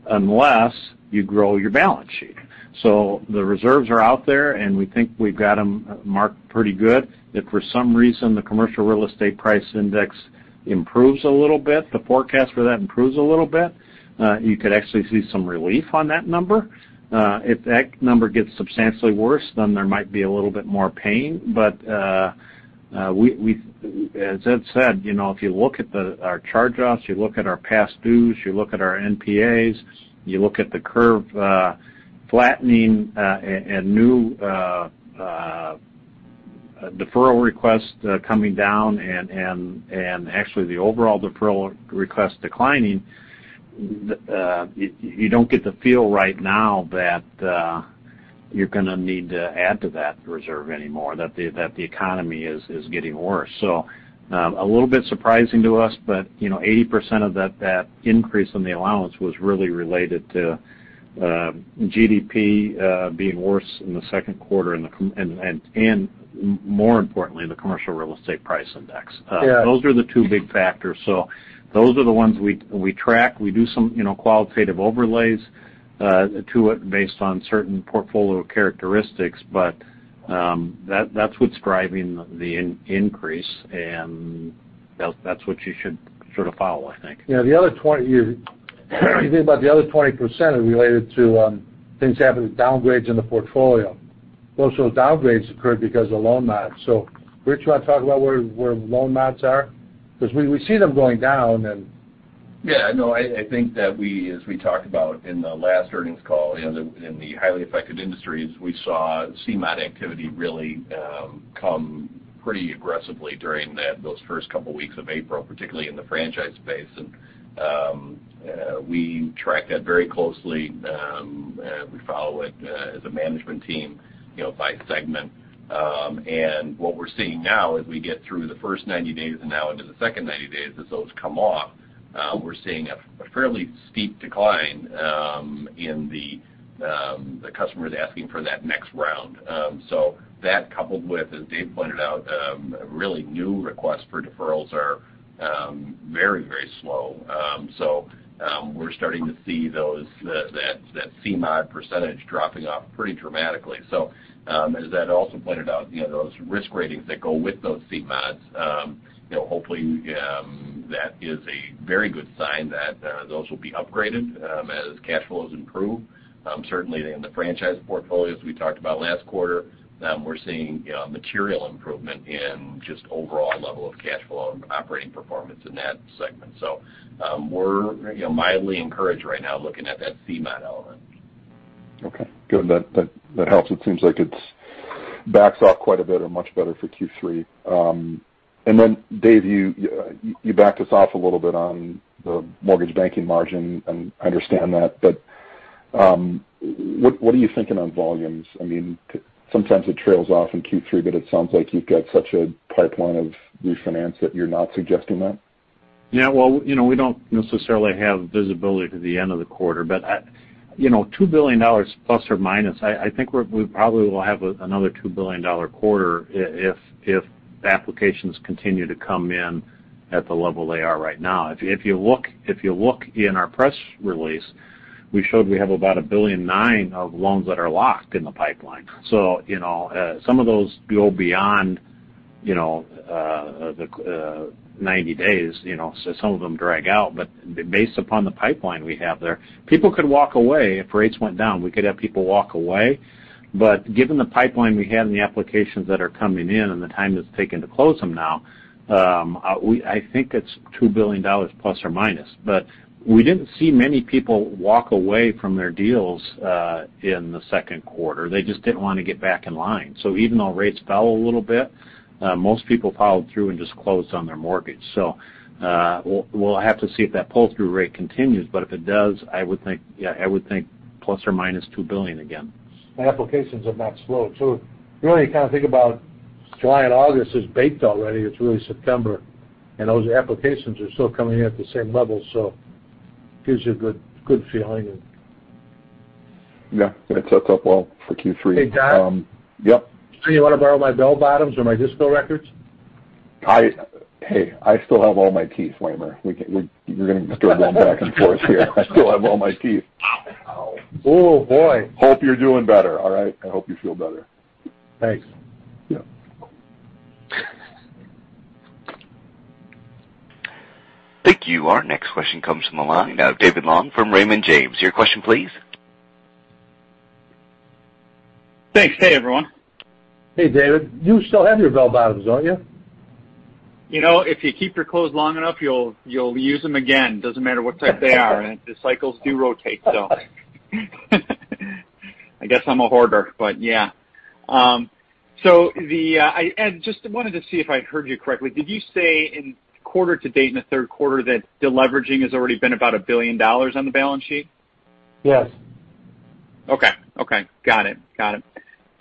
unless you grow your balance sheet. The reserves are out there, and we think we've got them marked pretty good. If for some reason the commercial real estate price index improves a little bit, the forecast for that improves a little bit, you could actually see some relief on that number. If that number gets substantially worse, then there might be a little bit more pain. As Ed said, if you look at our charge-offs, you look at our past dues, you look at our NPAs, you look at the curve flattening and new deferral requests coming down, and actually the overall deferral requests declining. You don't get the feel right now that you're going to need to add to that reserve anymore, that the economy is getting worse. A little bit surprising to us, but 80% of that increase in the allowance was really related to GDP being worse in the second quarter and more importantly, the commercial real estate price index. Yeah. Those are the two big factors. Those are the ones we track. We do some qualitative overlays to it based on certain portfolio characteristics. That's what's driving the increase, and that's what you should sort of follow, I think. Yeah. If you think about the other 20% is related to things happening with downgrades in the portfolio. Most of those downgrades occurred because of loan mods. Rich, you want to talk about where loan mods are? Because we see them going down and. Yeah. No, I think that as we talked about in the last earnings call in the highly affected industries, we saw CMOD activity really come pretty aggressively during those first couple of weeks of April, particularly in the franchise space. We track that very closely. We follow it as a management team by segment. What we're seeing now, as we get through the first 90 days and now into the second 90 days, as those come off, we're seeing a fairly steep decline in the customers asking for that next round. That coupled with, as Dave pointed out, really new requests for deferrals are very slow. We're starting to see that CMOD % dropping off pretty dramatically. As Ed also pointed out, those risk ratings that go with those CMODs, hopefully, that is a very good sign that those will be upgraded as cash flows improve. Certainly in the franchise portfolios we talked about last quarter, we're seeing material improvement in just overall level of cash flow and operating performance in that segment. We're mildly encouraged right now looking at that CMOD element. Okay, good. That helps. It seems like it backs off quite a bit or much better for Q3. Dave, you backed us off a little bit on the mortgage banking margin, and I understand that, but what are you thinking on volumes? Sometimes it trails off in Q3, but it sounds like you've got such a pipeline of refinance that you're not suggesting that. Well, we don't necessarily have visibility to the end of the quarter, $2 billion ±, I think we probably will have another $2 billion quarter if the applications continue to come in at the level they are right now. If you look in our press release, we showed we have about $1.9 billion of loans that are locked in the pipeline. Some of those go beyond the 90 days. Some of them drag out. Based upon the pipeline we have there, people could walk away if rates went down. We could have people walk away. Given the pipeline we have and the applications that are coming in and the time it's taking to close them now, I think it's $2 billion ±. We didn't see many people walk away from their deals in the second quarter. They just didn't want to get back in line. Even though rates fell a little bit, most people followed through and just closed on their mortgage. We'll have to see if that pull-through rate continues, but if it does, I would think, yes, plus or minus $2 billion again. The applications have not slowed. Really, you kind of think about July and August is baked already. It's really September, those applications are still coming in at the same level, gives you a good feeling. Yeah. Going to set up well for Q3. Hey, Jon? Yep. You want to borrow my bell-bottoms or my disco records? Hey, I still have all my teeth, Wehmer. We're going to just throw that back and forth here. I still have all my teeth. Oh, boy. Hope you're doing better, all right? I hope you feel better. Thanks. Yep. Thank you. Our next question comes from the line of David Long from Raymond James. Your question, please. Thanks. Hey, everyone. Hey, David. You still have your bell-bottoms, don't you? If you keep your clothes long enough, you'll use them again. Doesn't matter what type they are. The cycles do rotate. I guess I'm a hoarder, but yeah. I just wanted to see if I heard you correctly. Did you say in quarter to date in the third quarter that deleveraging has already been about $1 billion on the balance sheet? Yes. Okay. Got it.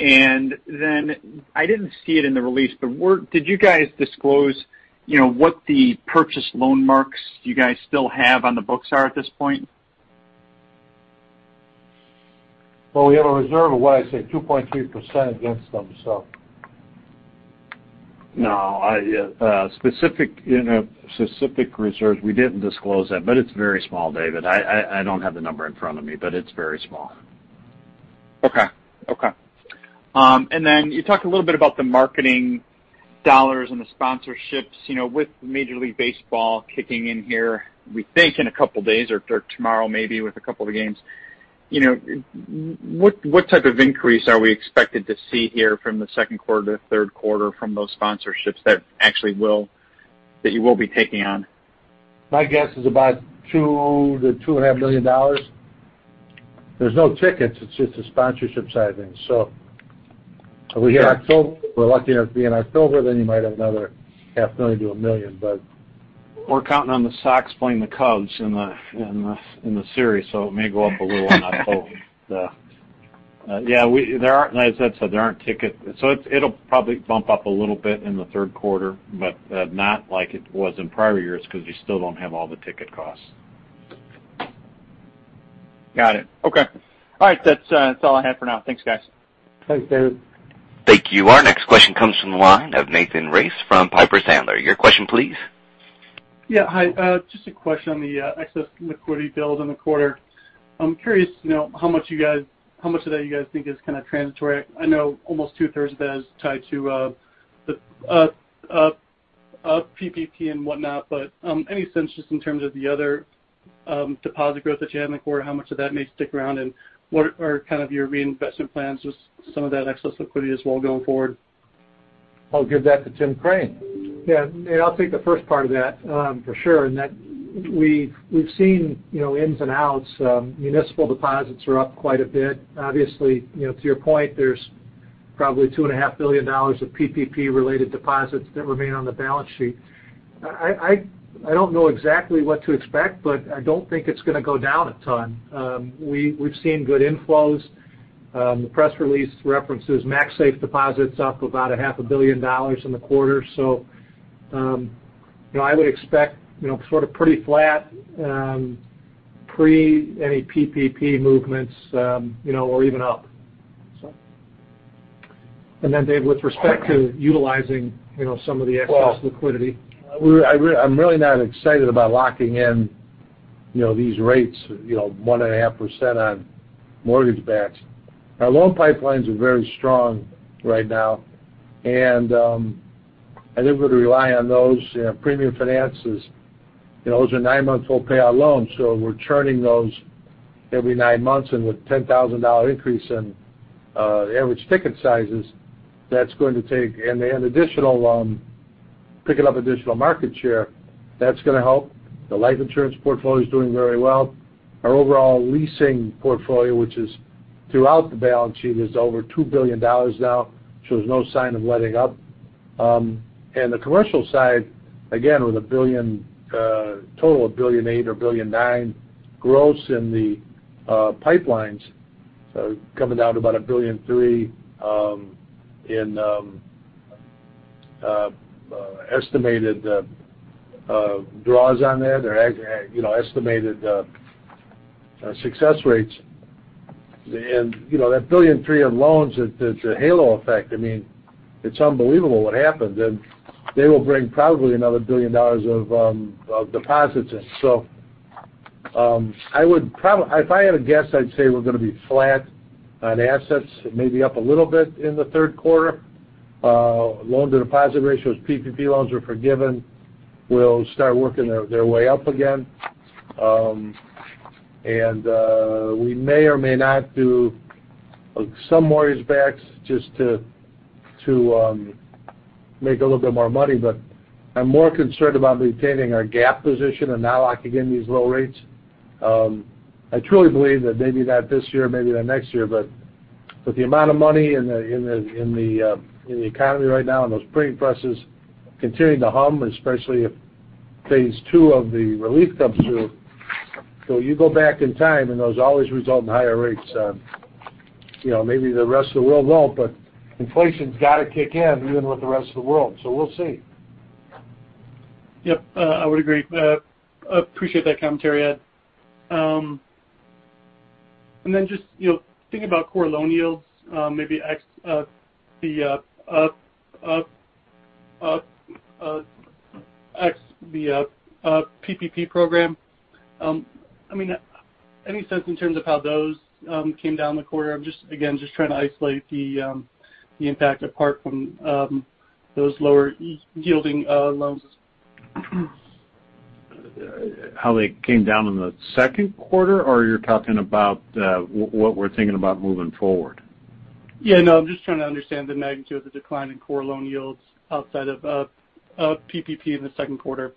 I didn't see it in the release, but did you guys disclose what the purchase loan marks you guys still have on the books are at this point? Well, we have a reserve of, what I say, 2.3% against them. No. Specific reserves, we didn't disclose that, but it's very small, David. I don't have the number in front of me, but it's very small. Okay. You talked a little bit about the marketing dollars and the sponsorships. With Major League Baseball kicking in here, we think in a couple of days or tomorrow maybe with a couple of games, what type of increase are we expected to see here from the second quarter to third quarter from those sponsorships that you will be taking on? My guess is about $2 million to $2.5 million. There's no tickets. It's just a sponsorship side of things. We hit October. If we're lucky enough to be in October, then you might have another half million to $1 million. We're counting on the Sox playing the Cubs in the series, it may go up a little in October. Yeah. As I said, there aren't tickets. It'll probably bump up a little bit in the third quarter, but not like it was in prior years because you still don't have all the ticket costs. Got it. Okay. All right. That's all I have for now. Thanks, guys. Thanks, David. Thank you. Our next question comes from the line of Nathan Race from Piper Sandler. Your question, please. Yeah. Hi. Just a question on the excess liquidity build in the quarter. I'm curious to know how much of that you guys think is kind of transitory. I know almost two-thirds of that is tied to PPP and whatnot, but any sense just in terms of the other deposit growth that you had in the quarter, how much of that may stick around, and what are kind of your reinvestment plans with some of that excess liquidity as well going forward? I'll give that to Tim Crane. Yeah. I'll take the first part of that. For sure. In that we've seen ins and outs. Municipal deposits are up quite a bit. Obviously, to your point, there's probably $2.5 billion of PPP related deposits that remain on the balance sheet. I don't know exactly what to expect, I don't think it's going to go down a ton. We've seen good inflows. The press release references MaxSafe deposits up about a half a billion dollars in the quarter. I would expect sort of pretty flat, pre any PPP movements, or even up. Then Dave, with respect to utilizing some of the excess liquidity. I'm really not excited about locking in these rates, 1.5% on mortgage backs. Our loan pipelines are very strong right now, and I think we're going to rely on those premium finances. Those are nine months full payout loans, so we're churning those every nine months, with $10,000 increase in average ticket sizes, picking up additional market share, that's going to help. The life insurance portfolio is doing very well. Our overall leasing portfolio, which is throughout the balance sheet, is over $2 billion now, shows no sign of letting up. The commercial side, again, with a total of $1.8 billion or $1.9 billion gross in the pipelines, coming down to about $1.3 billion in estimated draws on there. There are estimated success rates. That $1.3 billion of loans, it's a halo effect. It's unbelievable what happened. They will bring probably another $1 billion of deposits in. If I had to guess, I'd say we're going to be flat on assets, maybe up a little bit in the third quarter. Loan-to-deposit ratios, PPP loans are forgiven, will start working their way up again. We may or may not do some mortgage backs just to make a little bit more money, but I'm more concerned about maintaining our gap position and now locking in these low rates. I truly believe that maybe not this year, maybe not next year, but with the amount of money in the economy right now and those printing presses continuing to hum, especially if phase 2 of the relief comes through. You go back in time, and those always result in higher rates. Maybe the rest of the world won't, but inflation's got to kick in even with the rest of the world, so we'll see. Yep. I would agree. Appreciate that commentary, Ed. Just thinking about core loan yields, maybe x the PPP program. Any sense in terms of how those came down in the quarter? I'm just, again, trying to isolate the impact apart from those lower yielding loans. How they came down in the second quarter, or you're talking about what we're thinking about moving forward? Yeah, no, I'm just trying to understand the magnitude of the decline in core loan yields outside of PPP in the second quarter.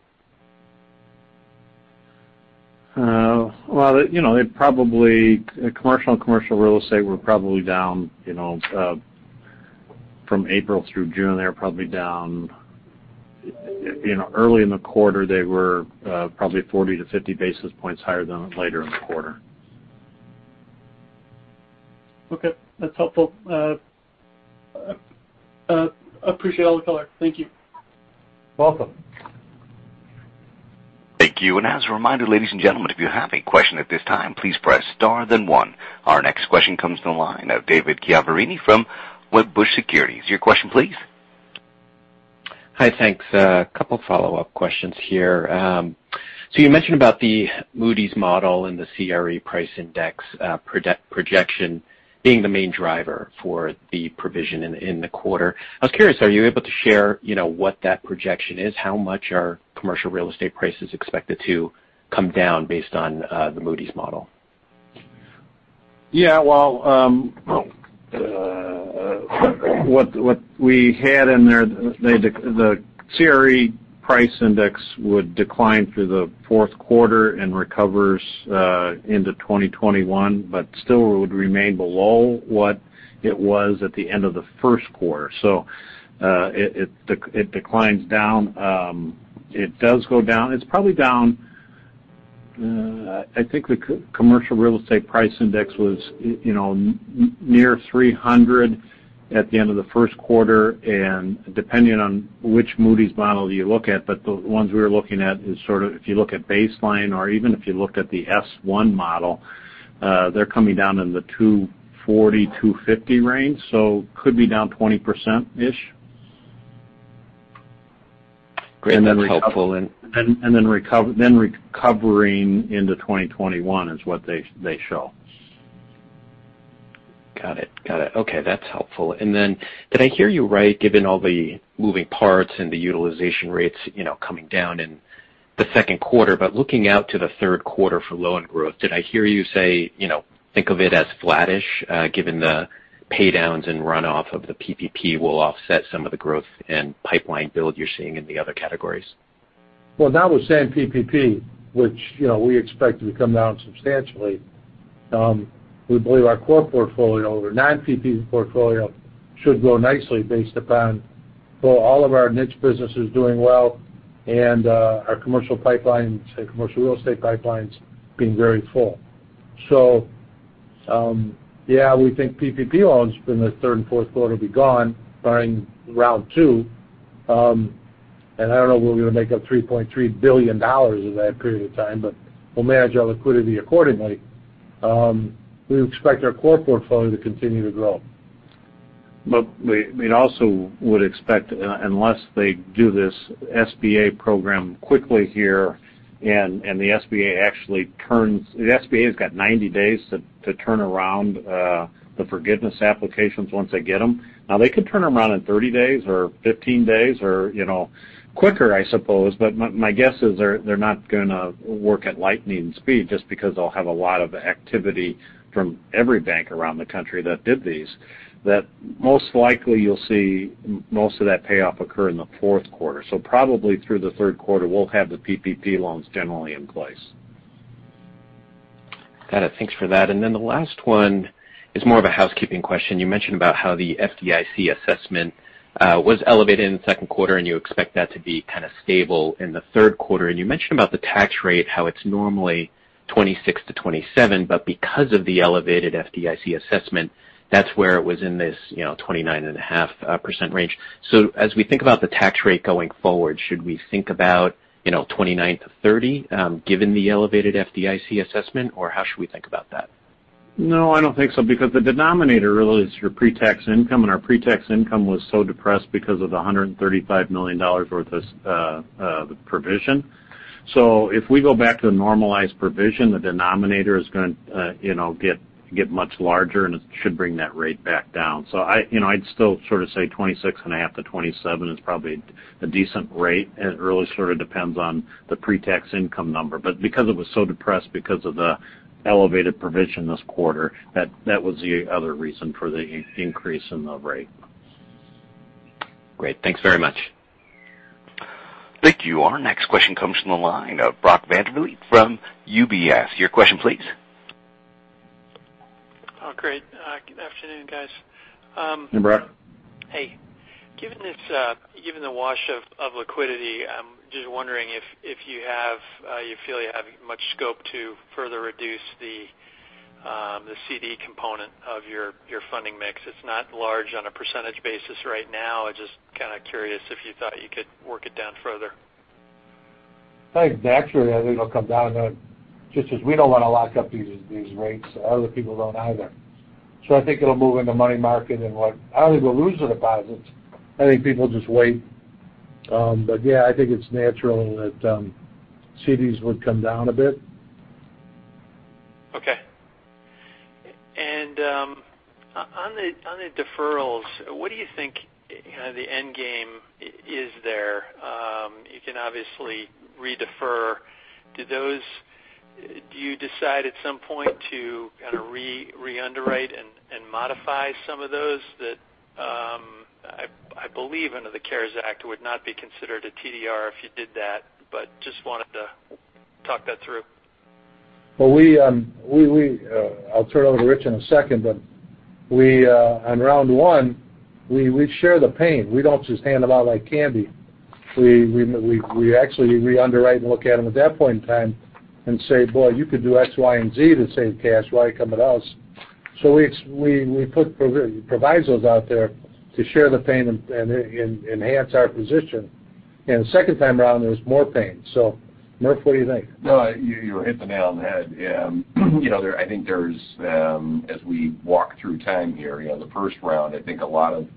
Well, commercial and commercial real estate were probably down from April through June. Early in the quarter, they were probably 40-50 basis points higher than later in the quarter. Okay. That's helpful. Appreciate all the color. Thank you. Welcome. Thank you. As a reminder, ladies and gentlemen, if you have a question at this time, please press star then one. Our next question comes from the line of David Chiaverini from Wedbush Securities. Your question, please. Hi, thanks. A couple follow-up questions here. You mentioned about the Moody's model and the CRE price index projection being the main driver for the provision in the quarter. I was curious, are you able to share what that projection is? How much are commercial real estate prices expected to come down based on the Moody's model? Well, what we had in there, the CRE price index would decline through the fourth quarter and recovers into 2021, but still would remain below what it was at the end of the first quarter. It declines down. It does go down. It's probably down, I think the commercial real estate price index was near 300 at the end of the first quarter, and depending on which Moody's model you look at, but the ones we were looking at is sort of if you look at baseline or even if you looked at the S1 model, they're coming down in the 240-250 range. Could be down 20% ish. Great. That's helpful. Recovering into 2021 is what they show. Got it. Okay. That's helpful. Did I hear you right, given all the moving parts and the utilization rates coming down in the second quarter, but looking out to the third quarter for loan growth, did I hear you say, think of it as flattish, given the pay downs and runoff of the PPP will offset some of the growth and pipeline build you're seeing in the other categories? Well, not with the same PPP, which we expect to come down substantially. We believe our core portfolio, the non-PPP portfolio, should grow nicely based upon all of our niche businesses doing well and our commercial pipeline, say commercial real estate pipelines, being very full. Yeah, we think PPP loans in the third and fourth quarter will be gone barring round two. I don't know where we're going to make up $3.3 billion in that period of time, but we'll manage our liquidity accordingly. We expect our core portfolio to continue to grow. We also would expect, unless they do this SBA program quickly here and the SBA's got 90 days to turn around the forgiveness applications once they get them. They could turn them around in 30 days or 15 days or quicker, I suppose, but my guess is they're not going to work at lightning speed just because they'll have a lot of activity from every bank around the country that did these. Most likely you'll see most of that payoff occur in the fourth quarter. Probably through the third quarter, we'll have the PPP loans generally in place. Got it. Thanks for that. The last one is more of a housekeeping question. You mentioned about how the FDIC assessment was elevated in the second quarter, and you expect that to be kind of stable in the third quarter. You mentioned about the tax rate, how it's normally 26%-27%, but because of the elevated FDIC assessment, that's where it was in this 29.5% range. As we think about the tax rate going forward, should we think about 29%-30%, given the elevated FDIC assessment, or how should we think about that? I don't think so, because the denominator really is your pre-tax income, and our pre-tax income was so depressed because of the $135 million worth of provision. If we go back to the normalized provision, the denominator is going to get much larger, and it should bring that rate back down. I'd still say 26.5%-27% is probably a decent rate. It really sort of depends on the pre-tax income number. Because it was so depressed because of the elevated provision this quarter, that was the other reason for the increase in the rate. Great. Thanks very much. Thank you. Our next question comes from the line of Brock Vandervliet from UBS. Your question, please. Oh, great. Good afternoon, guys. Hey, Brock. Hey. Given the wash of liquidity, I'm just wondering if you feel you have much scope to further reduce the CD component of your funding mix. It's not large on a percentage basis right now. I'm just kind of curious if you thought you could work it down further. I think naturally, I think it'll come down. Just as we don't want to lock up these rates, other people don't either. I think it'll move in the money market and what. I don't think we'll lose the deposits. I think people just wait. Yeah, I think it's natural that CDs would come down a bit. Okay. On the deferrals, what do you think the end game is there? You can obviously re-defer. Do you decide at some point to re-underwrite and modify some of those that, I believe under the CARES Act would not be considered a TDR if you did that. Just wanted to talk that through. Well, I'll turn it over to Rich in a second, but on round one, we share the pain. We don't just hand them out like candy. We actually underwrite and look at them at that point in time and say, "Boy, you could do X, Y, and Z to save cash. Why come to us?" We put provisos out there to share the pain and enhance our position. The second time round, there's more pain. Murph, what do you think? No, you hit the nail on the head. I think as we walk through time here, the first round, I think a lot of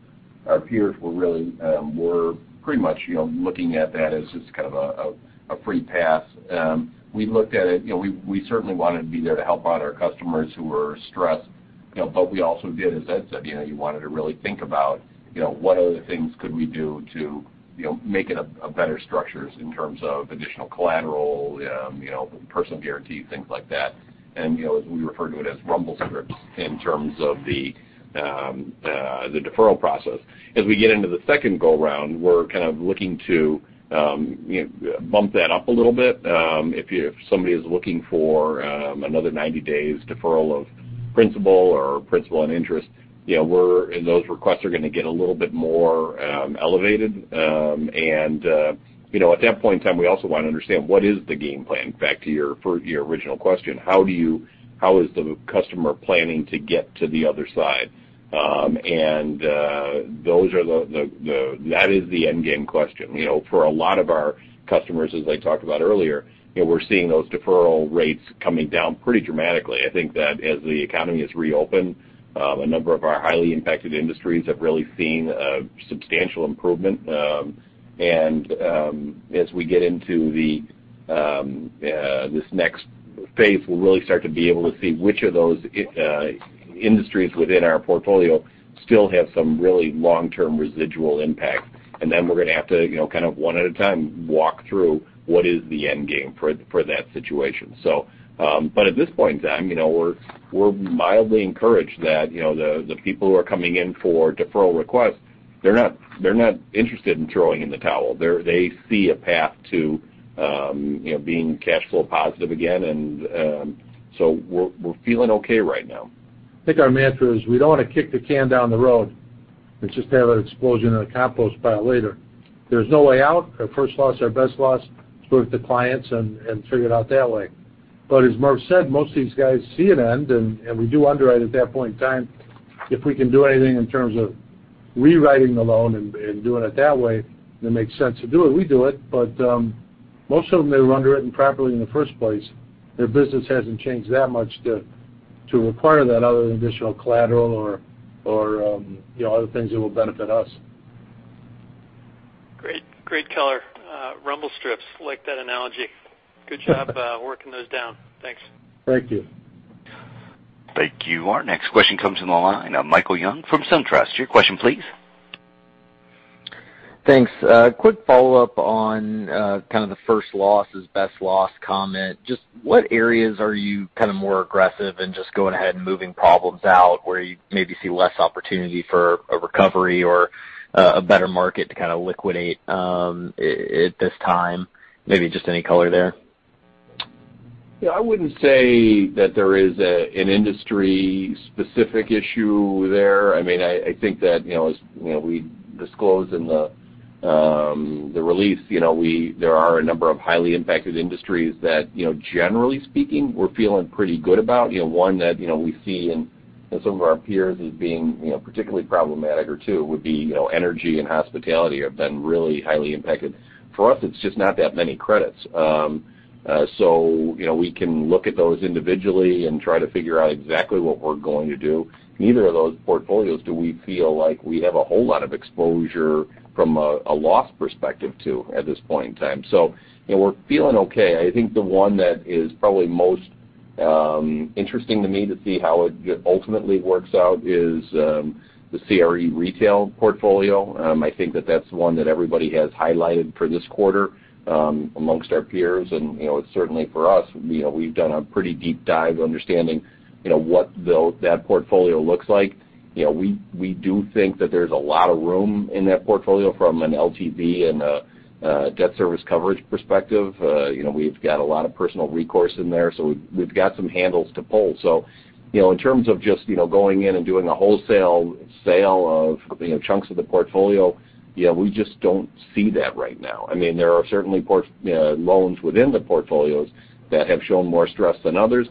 our peers were pretty much looking at that as just kind of a free pass. We looked at it. We certainly wanted to be there to help out our customers who were stressed. We also did, as Ed said, you wanted to really think about what other things could we do to make it a better structure in terms of additional collateral, personal guarantees, things like that. As we refer to it as rumble strips in terms of the deferral process. As we get into the second go-round, we're kind of looking to bump that up a little bit. If somebody is looking for another 90 days deferral of principal or principal and interest, those requests are going to get a little bit more elevated. At that point in time, we also want to understand what is the game plan, back to your original question. How is the customer planning to get to the other side? That is the end game question. For a lot of our customers, as I talked about earlier, we're seeing those deferral rates coming down pretty dramatically. I think that as the economy has reopened, a number of our highly impacted industries have really seen a substantial improvement. As we get into this next phase, we'll really start to be able to see which of those industries within our portfolio still have some really long-term residual impact. We're going to have to kind of one at a time walk through what is the end game for that situation. At this point in time, we're mildly encouraged that the people who are coming in for deferral requests, they're not interested in throwing in the towel. They see a path to being cash flow positive again, and so we're feeling okay right now. I think our mantra is, we don't want to kick the can down the road and just have it explosion in a compost pile later. There's no way out. Our first loss, our best loss is work with the clients and figure it out that way. As Murph said, most of these guys see an end, and we do underwrite at that point in time. If we can do anything in terms of rewriting the loan and doing it that way, and it makes sense to do it, we do it. Most of them, they were underwritten properly in the first place. Their business hasn't changed that much to require that other than additional collateral or other things that will benefit us. Great color. Rumble strips, like that analogy. Good job working those down. Thanks. Thank you. Thank you. Our next question comes from the line of Michael Young from SunTrust. Your question, please. Thanks. A quick follow-up on kind of the first loss is best loss comment. Just what areas are you kind of more aggressive in just going ahead and moving problems out where you maybe see less opportunity for a recovery or a better market to kind of liquidate at this time? Maybe just any color there. Yeah, I wouldn't say that there is an industry-specific issue there. I think that as we disclosed in the release, there are a number of highly impacted industries that, generally speaking, we're feeling pretty good about. One that we see and some of our peers as being particularly problematic or two would be energy and hospitality have been really highly impacted. For us, it's just not that many credits. We can look at those individually and try to figure out exactly what we're going to do. Neither of those portfolios do we feel like we have a whole lot of exposure from a loss perspective too, at this point in time. We're feeling okay. I think the one that is probably most interesting to me to see how it ultimately works out is the CRE retail portfolio. I think that's the one that everybody has highlighted for this quarter amongst our peers. Certainly for us, we've done a pretty deep dive understanding what that portfolio looks like. We do think that there's a lot of room in that portfolio from an LTV and a debt service coverage perspective. We've got a lot of personal recourse in there, so we've got some handles to pull. In terms of just going in and doing a wholesale sale of chunks of the portfolio, we just don't see that right now. There are certainly loans within the portfolios that have shown more stress than others.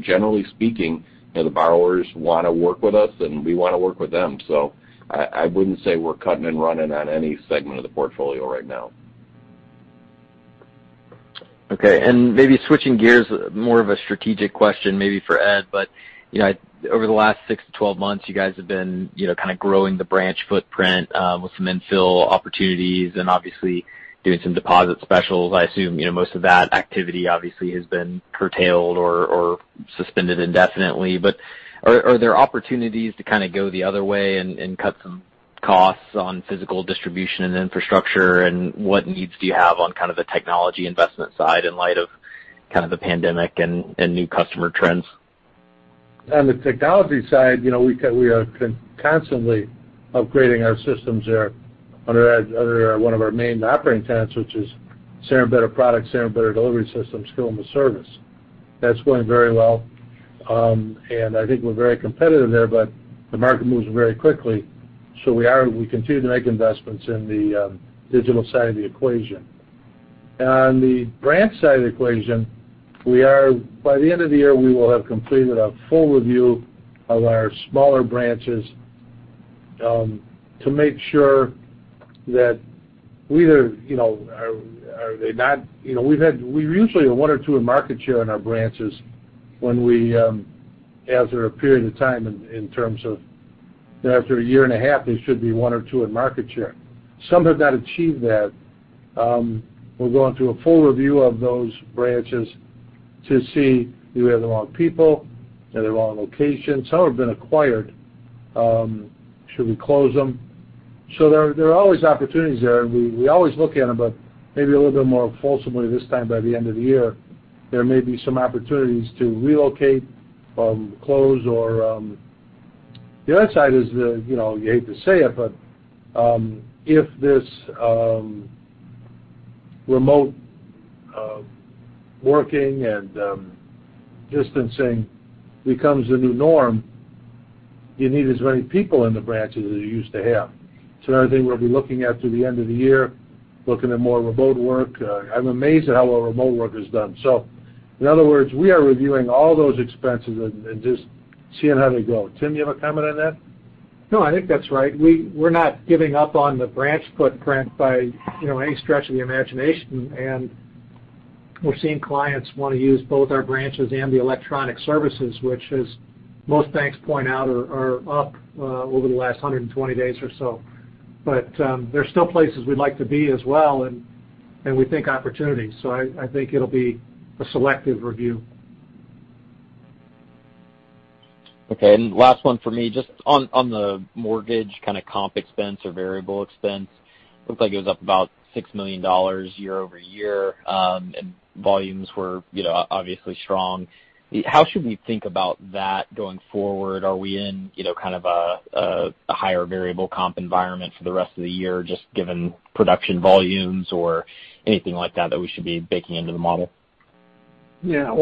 Generally speaking, the borrowers want to work with us, and we want to work with them. I wouldn't say we're cutting and running on any segment of the portfolio right now. Okay, maybe switching gears, more of a strategic question maybe for Ed. Over the last 6-12 months, you guys have been kind of growing the branch footprint with some infill opportunities and obviously doing some deposit specials. I assume most of that activity obviously has been curtailed or suspended indefinitely. Are there opportunities to kind of go the other way and cut some costs on physical distribution and infrastructure? What needs do you have on kind of the technology investment side in light of kind of the pandemic and new customer trends? On the technology side, we are constantly upgrading our systems there under one of our main operating tenets, which is selling better products, selling better delivery systems, still in the service. That's going very well. I think we're very competitive there, but the market moves very quickly. We continue to make investments in the digital side of the equation. On the branch side of the equation, by the end of the year, we will have completed a full review of our smaller branches to make sure that we usually are one or two in market share in our branches as they're a period of time in terms of after a year and a half, they should be one or two in market share. Some have not achieved that. We're going through a full review of those branches to see do we have the wrong people? Are they the wrong location? Some have been acquired. Should we close them? There are always opportunities there, and we always look at them, but maybe a little bit more forcibly this time by the end of the year. There may be some opportunities to relocate, close, or the other side is, you hate to say it, but if this remote working and distancing becomes the new norm, you need as many people in the branches as you used to have. It's another thing we'll be looking at through the end of the year, looking at more remote work. I'm amazed at how well remote work is done. In other words, we are reviewing all those expenses and just seeing how they grow. Tim, do you have a comment on that? No, I think that's right. We're not giving up on the branch footprint by any stretch of the imagination. We're seeing clients want to use both our branches and the electronic services, which, as most banks point out, are up over the last 120 days or so. There's still places we'd like to be as well, and we think opportunities. I think it'll be a selective review. Okay, last one for me. Just on the mortgage kind of comp expense or variable expense, looked like it was up about $6 million year-over-year. Volumes were obviously strong. How should we think about that going forward? Are we in kind of a higher variable comp environment for the rest of the year, just given production volumes or anything like that we should be baking into the model? Yeah.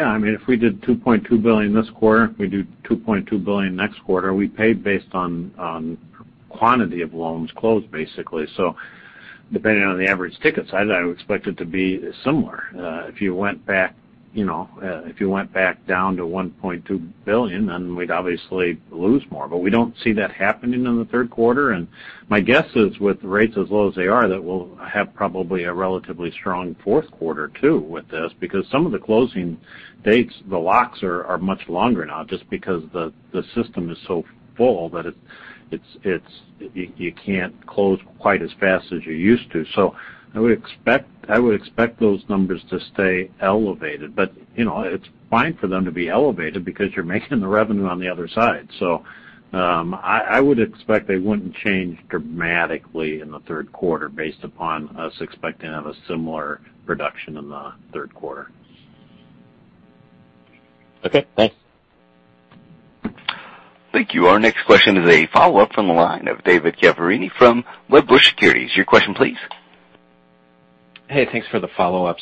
If we did $2.2 billion this quarter, we do $2.2 billion next quarter. We paid based on quantity of loans closed, basically. Depending on the average ticket size, I would expect it to be similar. If you went back down to $1.2 billion, then we'd obviously lose more. We don't see that happening in the third quarter. My guess is with rates as low as they are, that we'll have probably a relatively strong fourth quarter too with this, because some of the closing dates, the locks are much longer now just because the system is so full that you can't close quite as fast as you used to. I would expect those numbers to stay elevated. It's fine for them to be elevated because you're making the revenue on the other side. I would expect they wouldn't change dramatically in the third quarter based upon us expecting to have a similar production in the third quarter. Okay, thanks. Thank you. Our next question is a follow-up from the line of David Chiaverini from Wedbush Securities. Your question, please. Hey, thanks for the follow-up.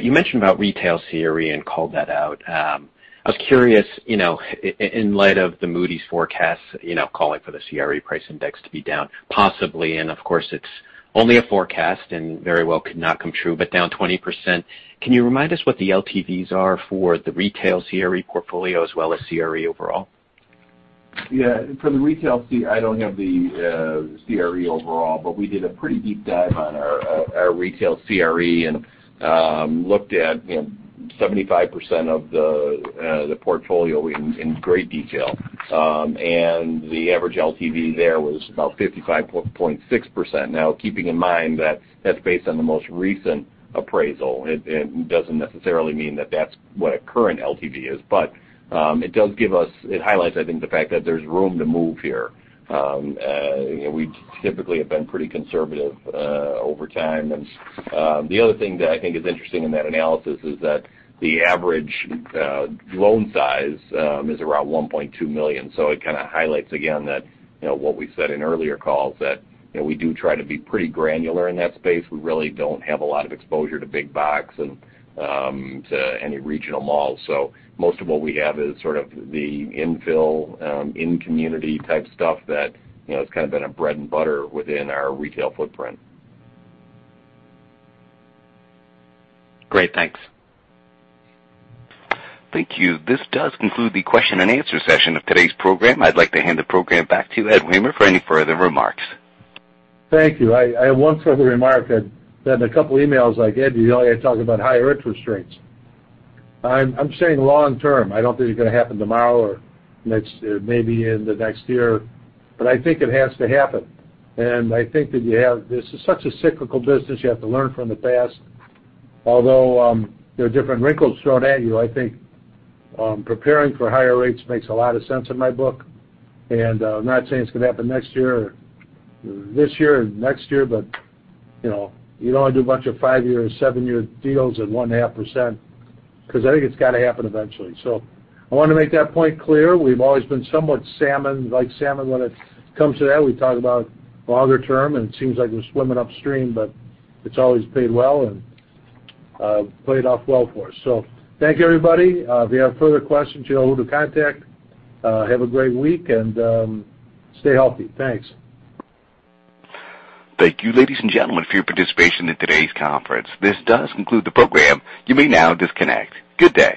You mentioned about retail CRE and called that out. I was curious, in light of the Moody's forecast calling for the CRE price index to be down possibly, and of course, it's only a forecast and very well could not come true, but down 20%. Can you remind us what the LTVs are for the retail CRE portfolio as well as CRE overall? Yeah. For the retail CRE, I don't have the CRE overall, but we did a pretty deep dive on our retail CRE and looked at 75% of the portfolio in great detail. The average LTV there was about 55.6%. Now, keeping in mind that's based on the most recent appraisal. It doesn't necessarily mean that that's what a current LTV is. It highlights, I think, the fact that there's room to move here. We typically have been pretty conservative over time. The other thing that I think is interesting in that analysis is that the average loan size is around $1.2 million. It kind of highlights again that, what we said in earlier calls, that we do try to be pretty granular in that space. We really don't have a lot of exposure to big box and to any regional malls. Most of what we have is sort of the infill, in-community type stuff that has kind of been a bread and butter within our retail footprint. Great. Thanks. Thank you. This does conclude the question and answer session of today's program. I'd like to hand the program back to Ed Wehmer for any further remarks. Thank you. I have one further remark. I've had a couple of emails like, "Ed, you only talk about higher interest rates." I'm saying long term. I don't think it's going to happen tomorrow or maybe in the next year, but I think it has to happen. I think that this is such a cyclical business, you have to learn from the past. Although, there are different wrinkles thrown at you. I think preparing for higher rates makes a lot of sense in my book, I'm not saying it's going to happen next year or this year, but you'd only do a bunch of five-year or seven-year deals at 1.5%, because I think it's got to happen eventually. I want to make that point clear. We've always been somewhat like salmon when it comes to that. We talk about longer term, and it seems like we're swimming upstream, but it's always paid well and played off well for us. Thank you, everybody. If you have further questions, you know who to contact. Have a great week and stay healthy. Thanks. Thank you, ladies and gentlemen, for your participation in today's conference. This does conclude the program. You may now disconnect. Good day.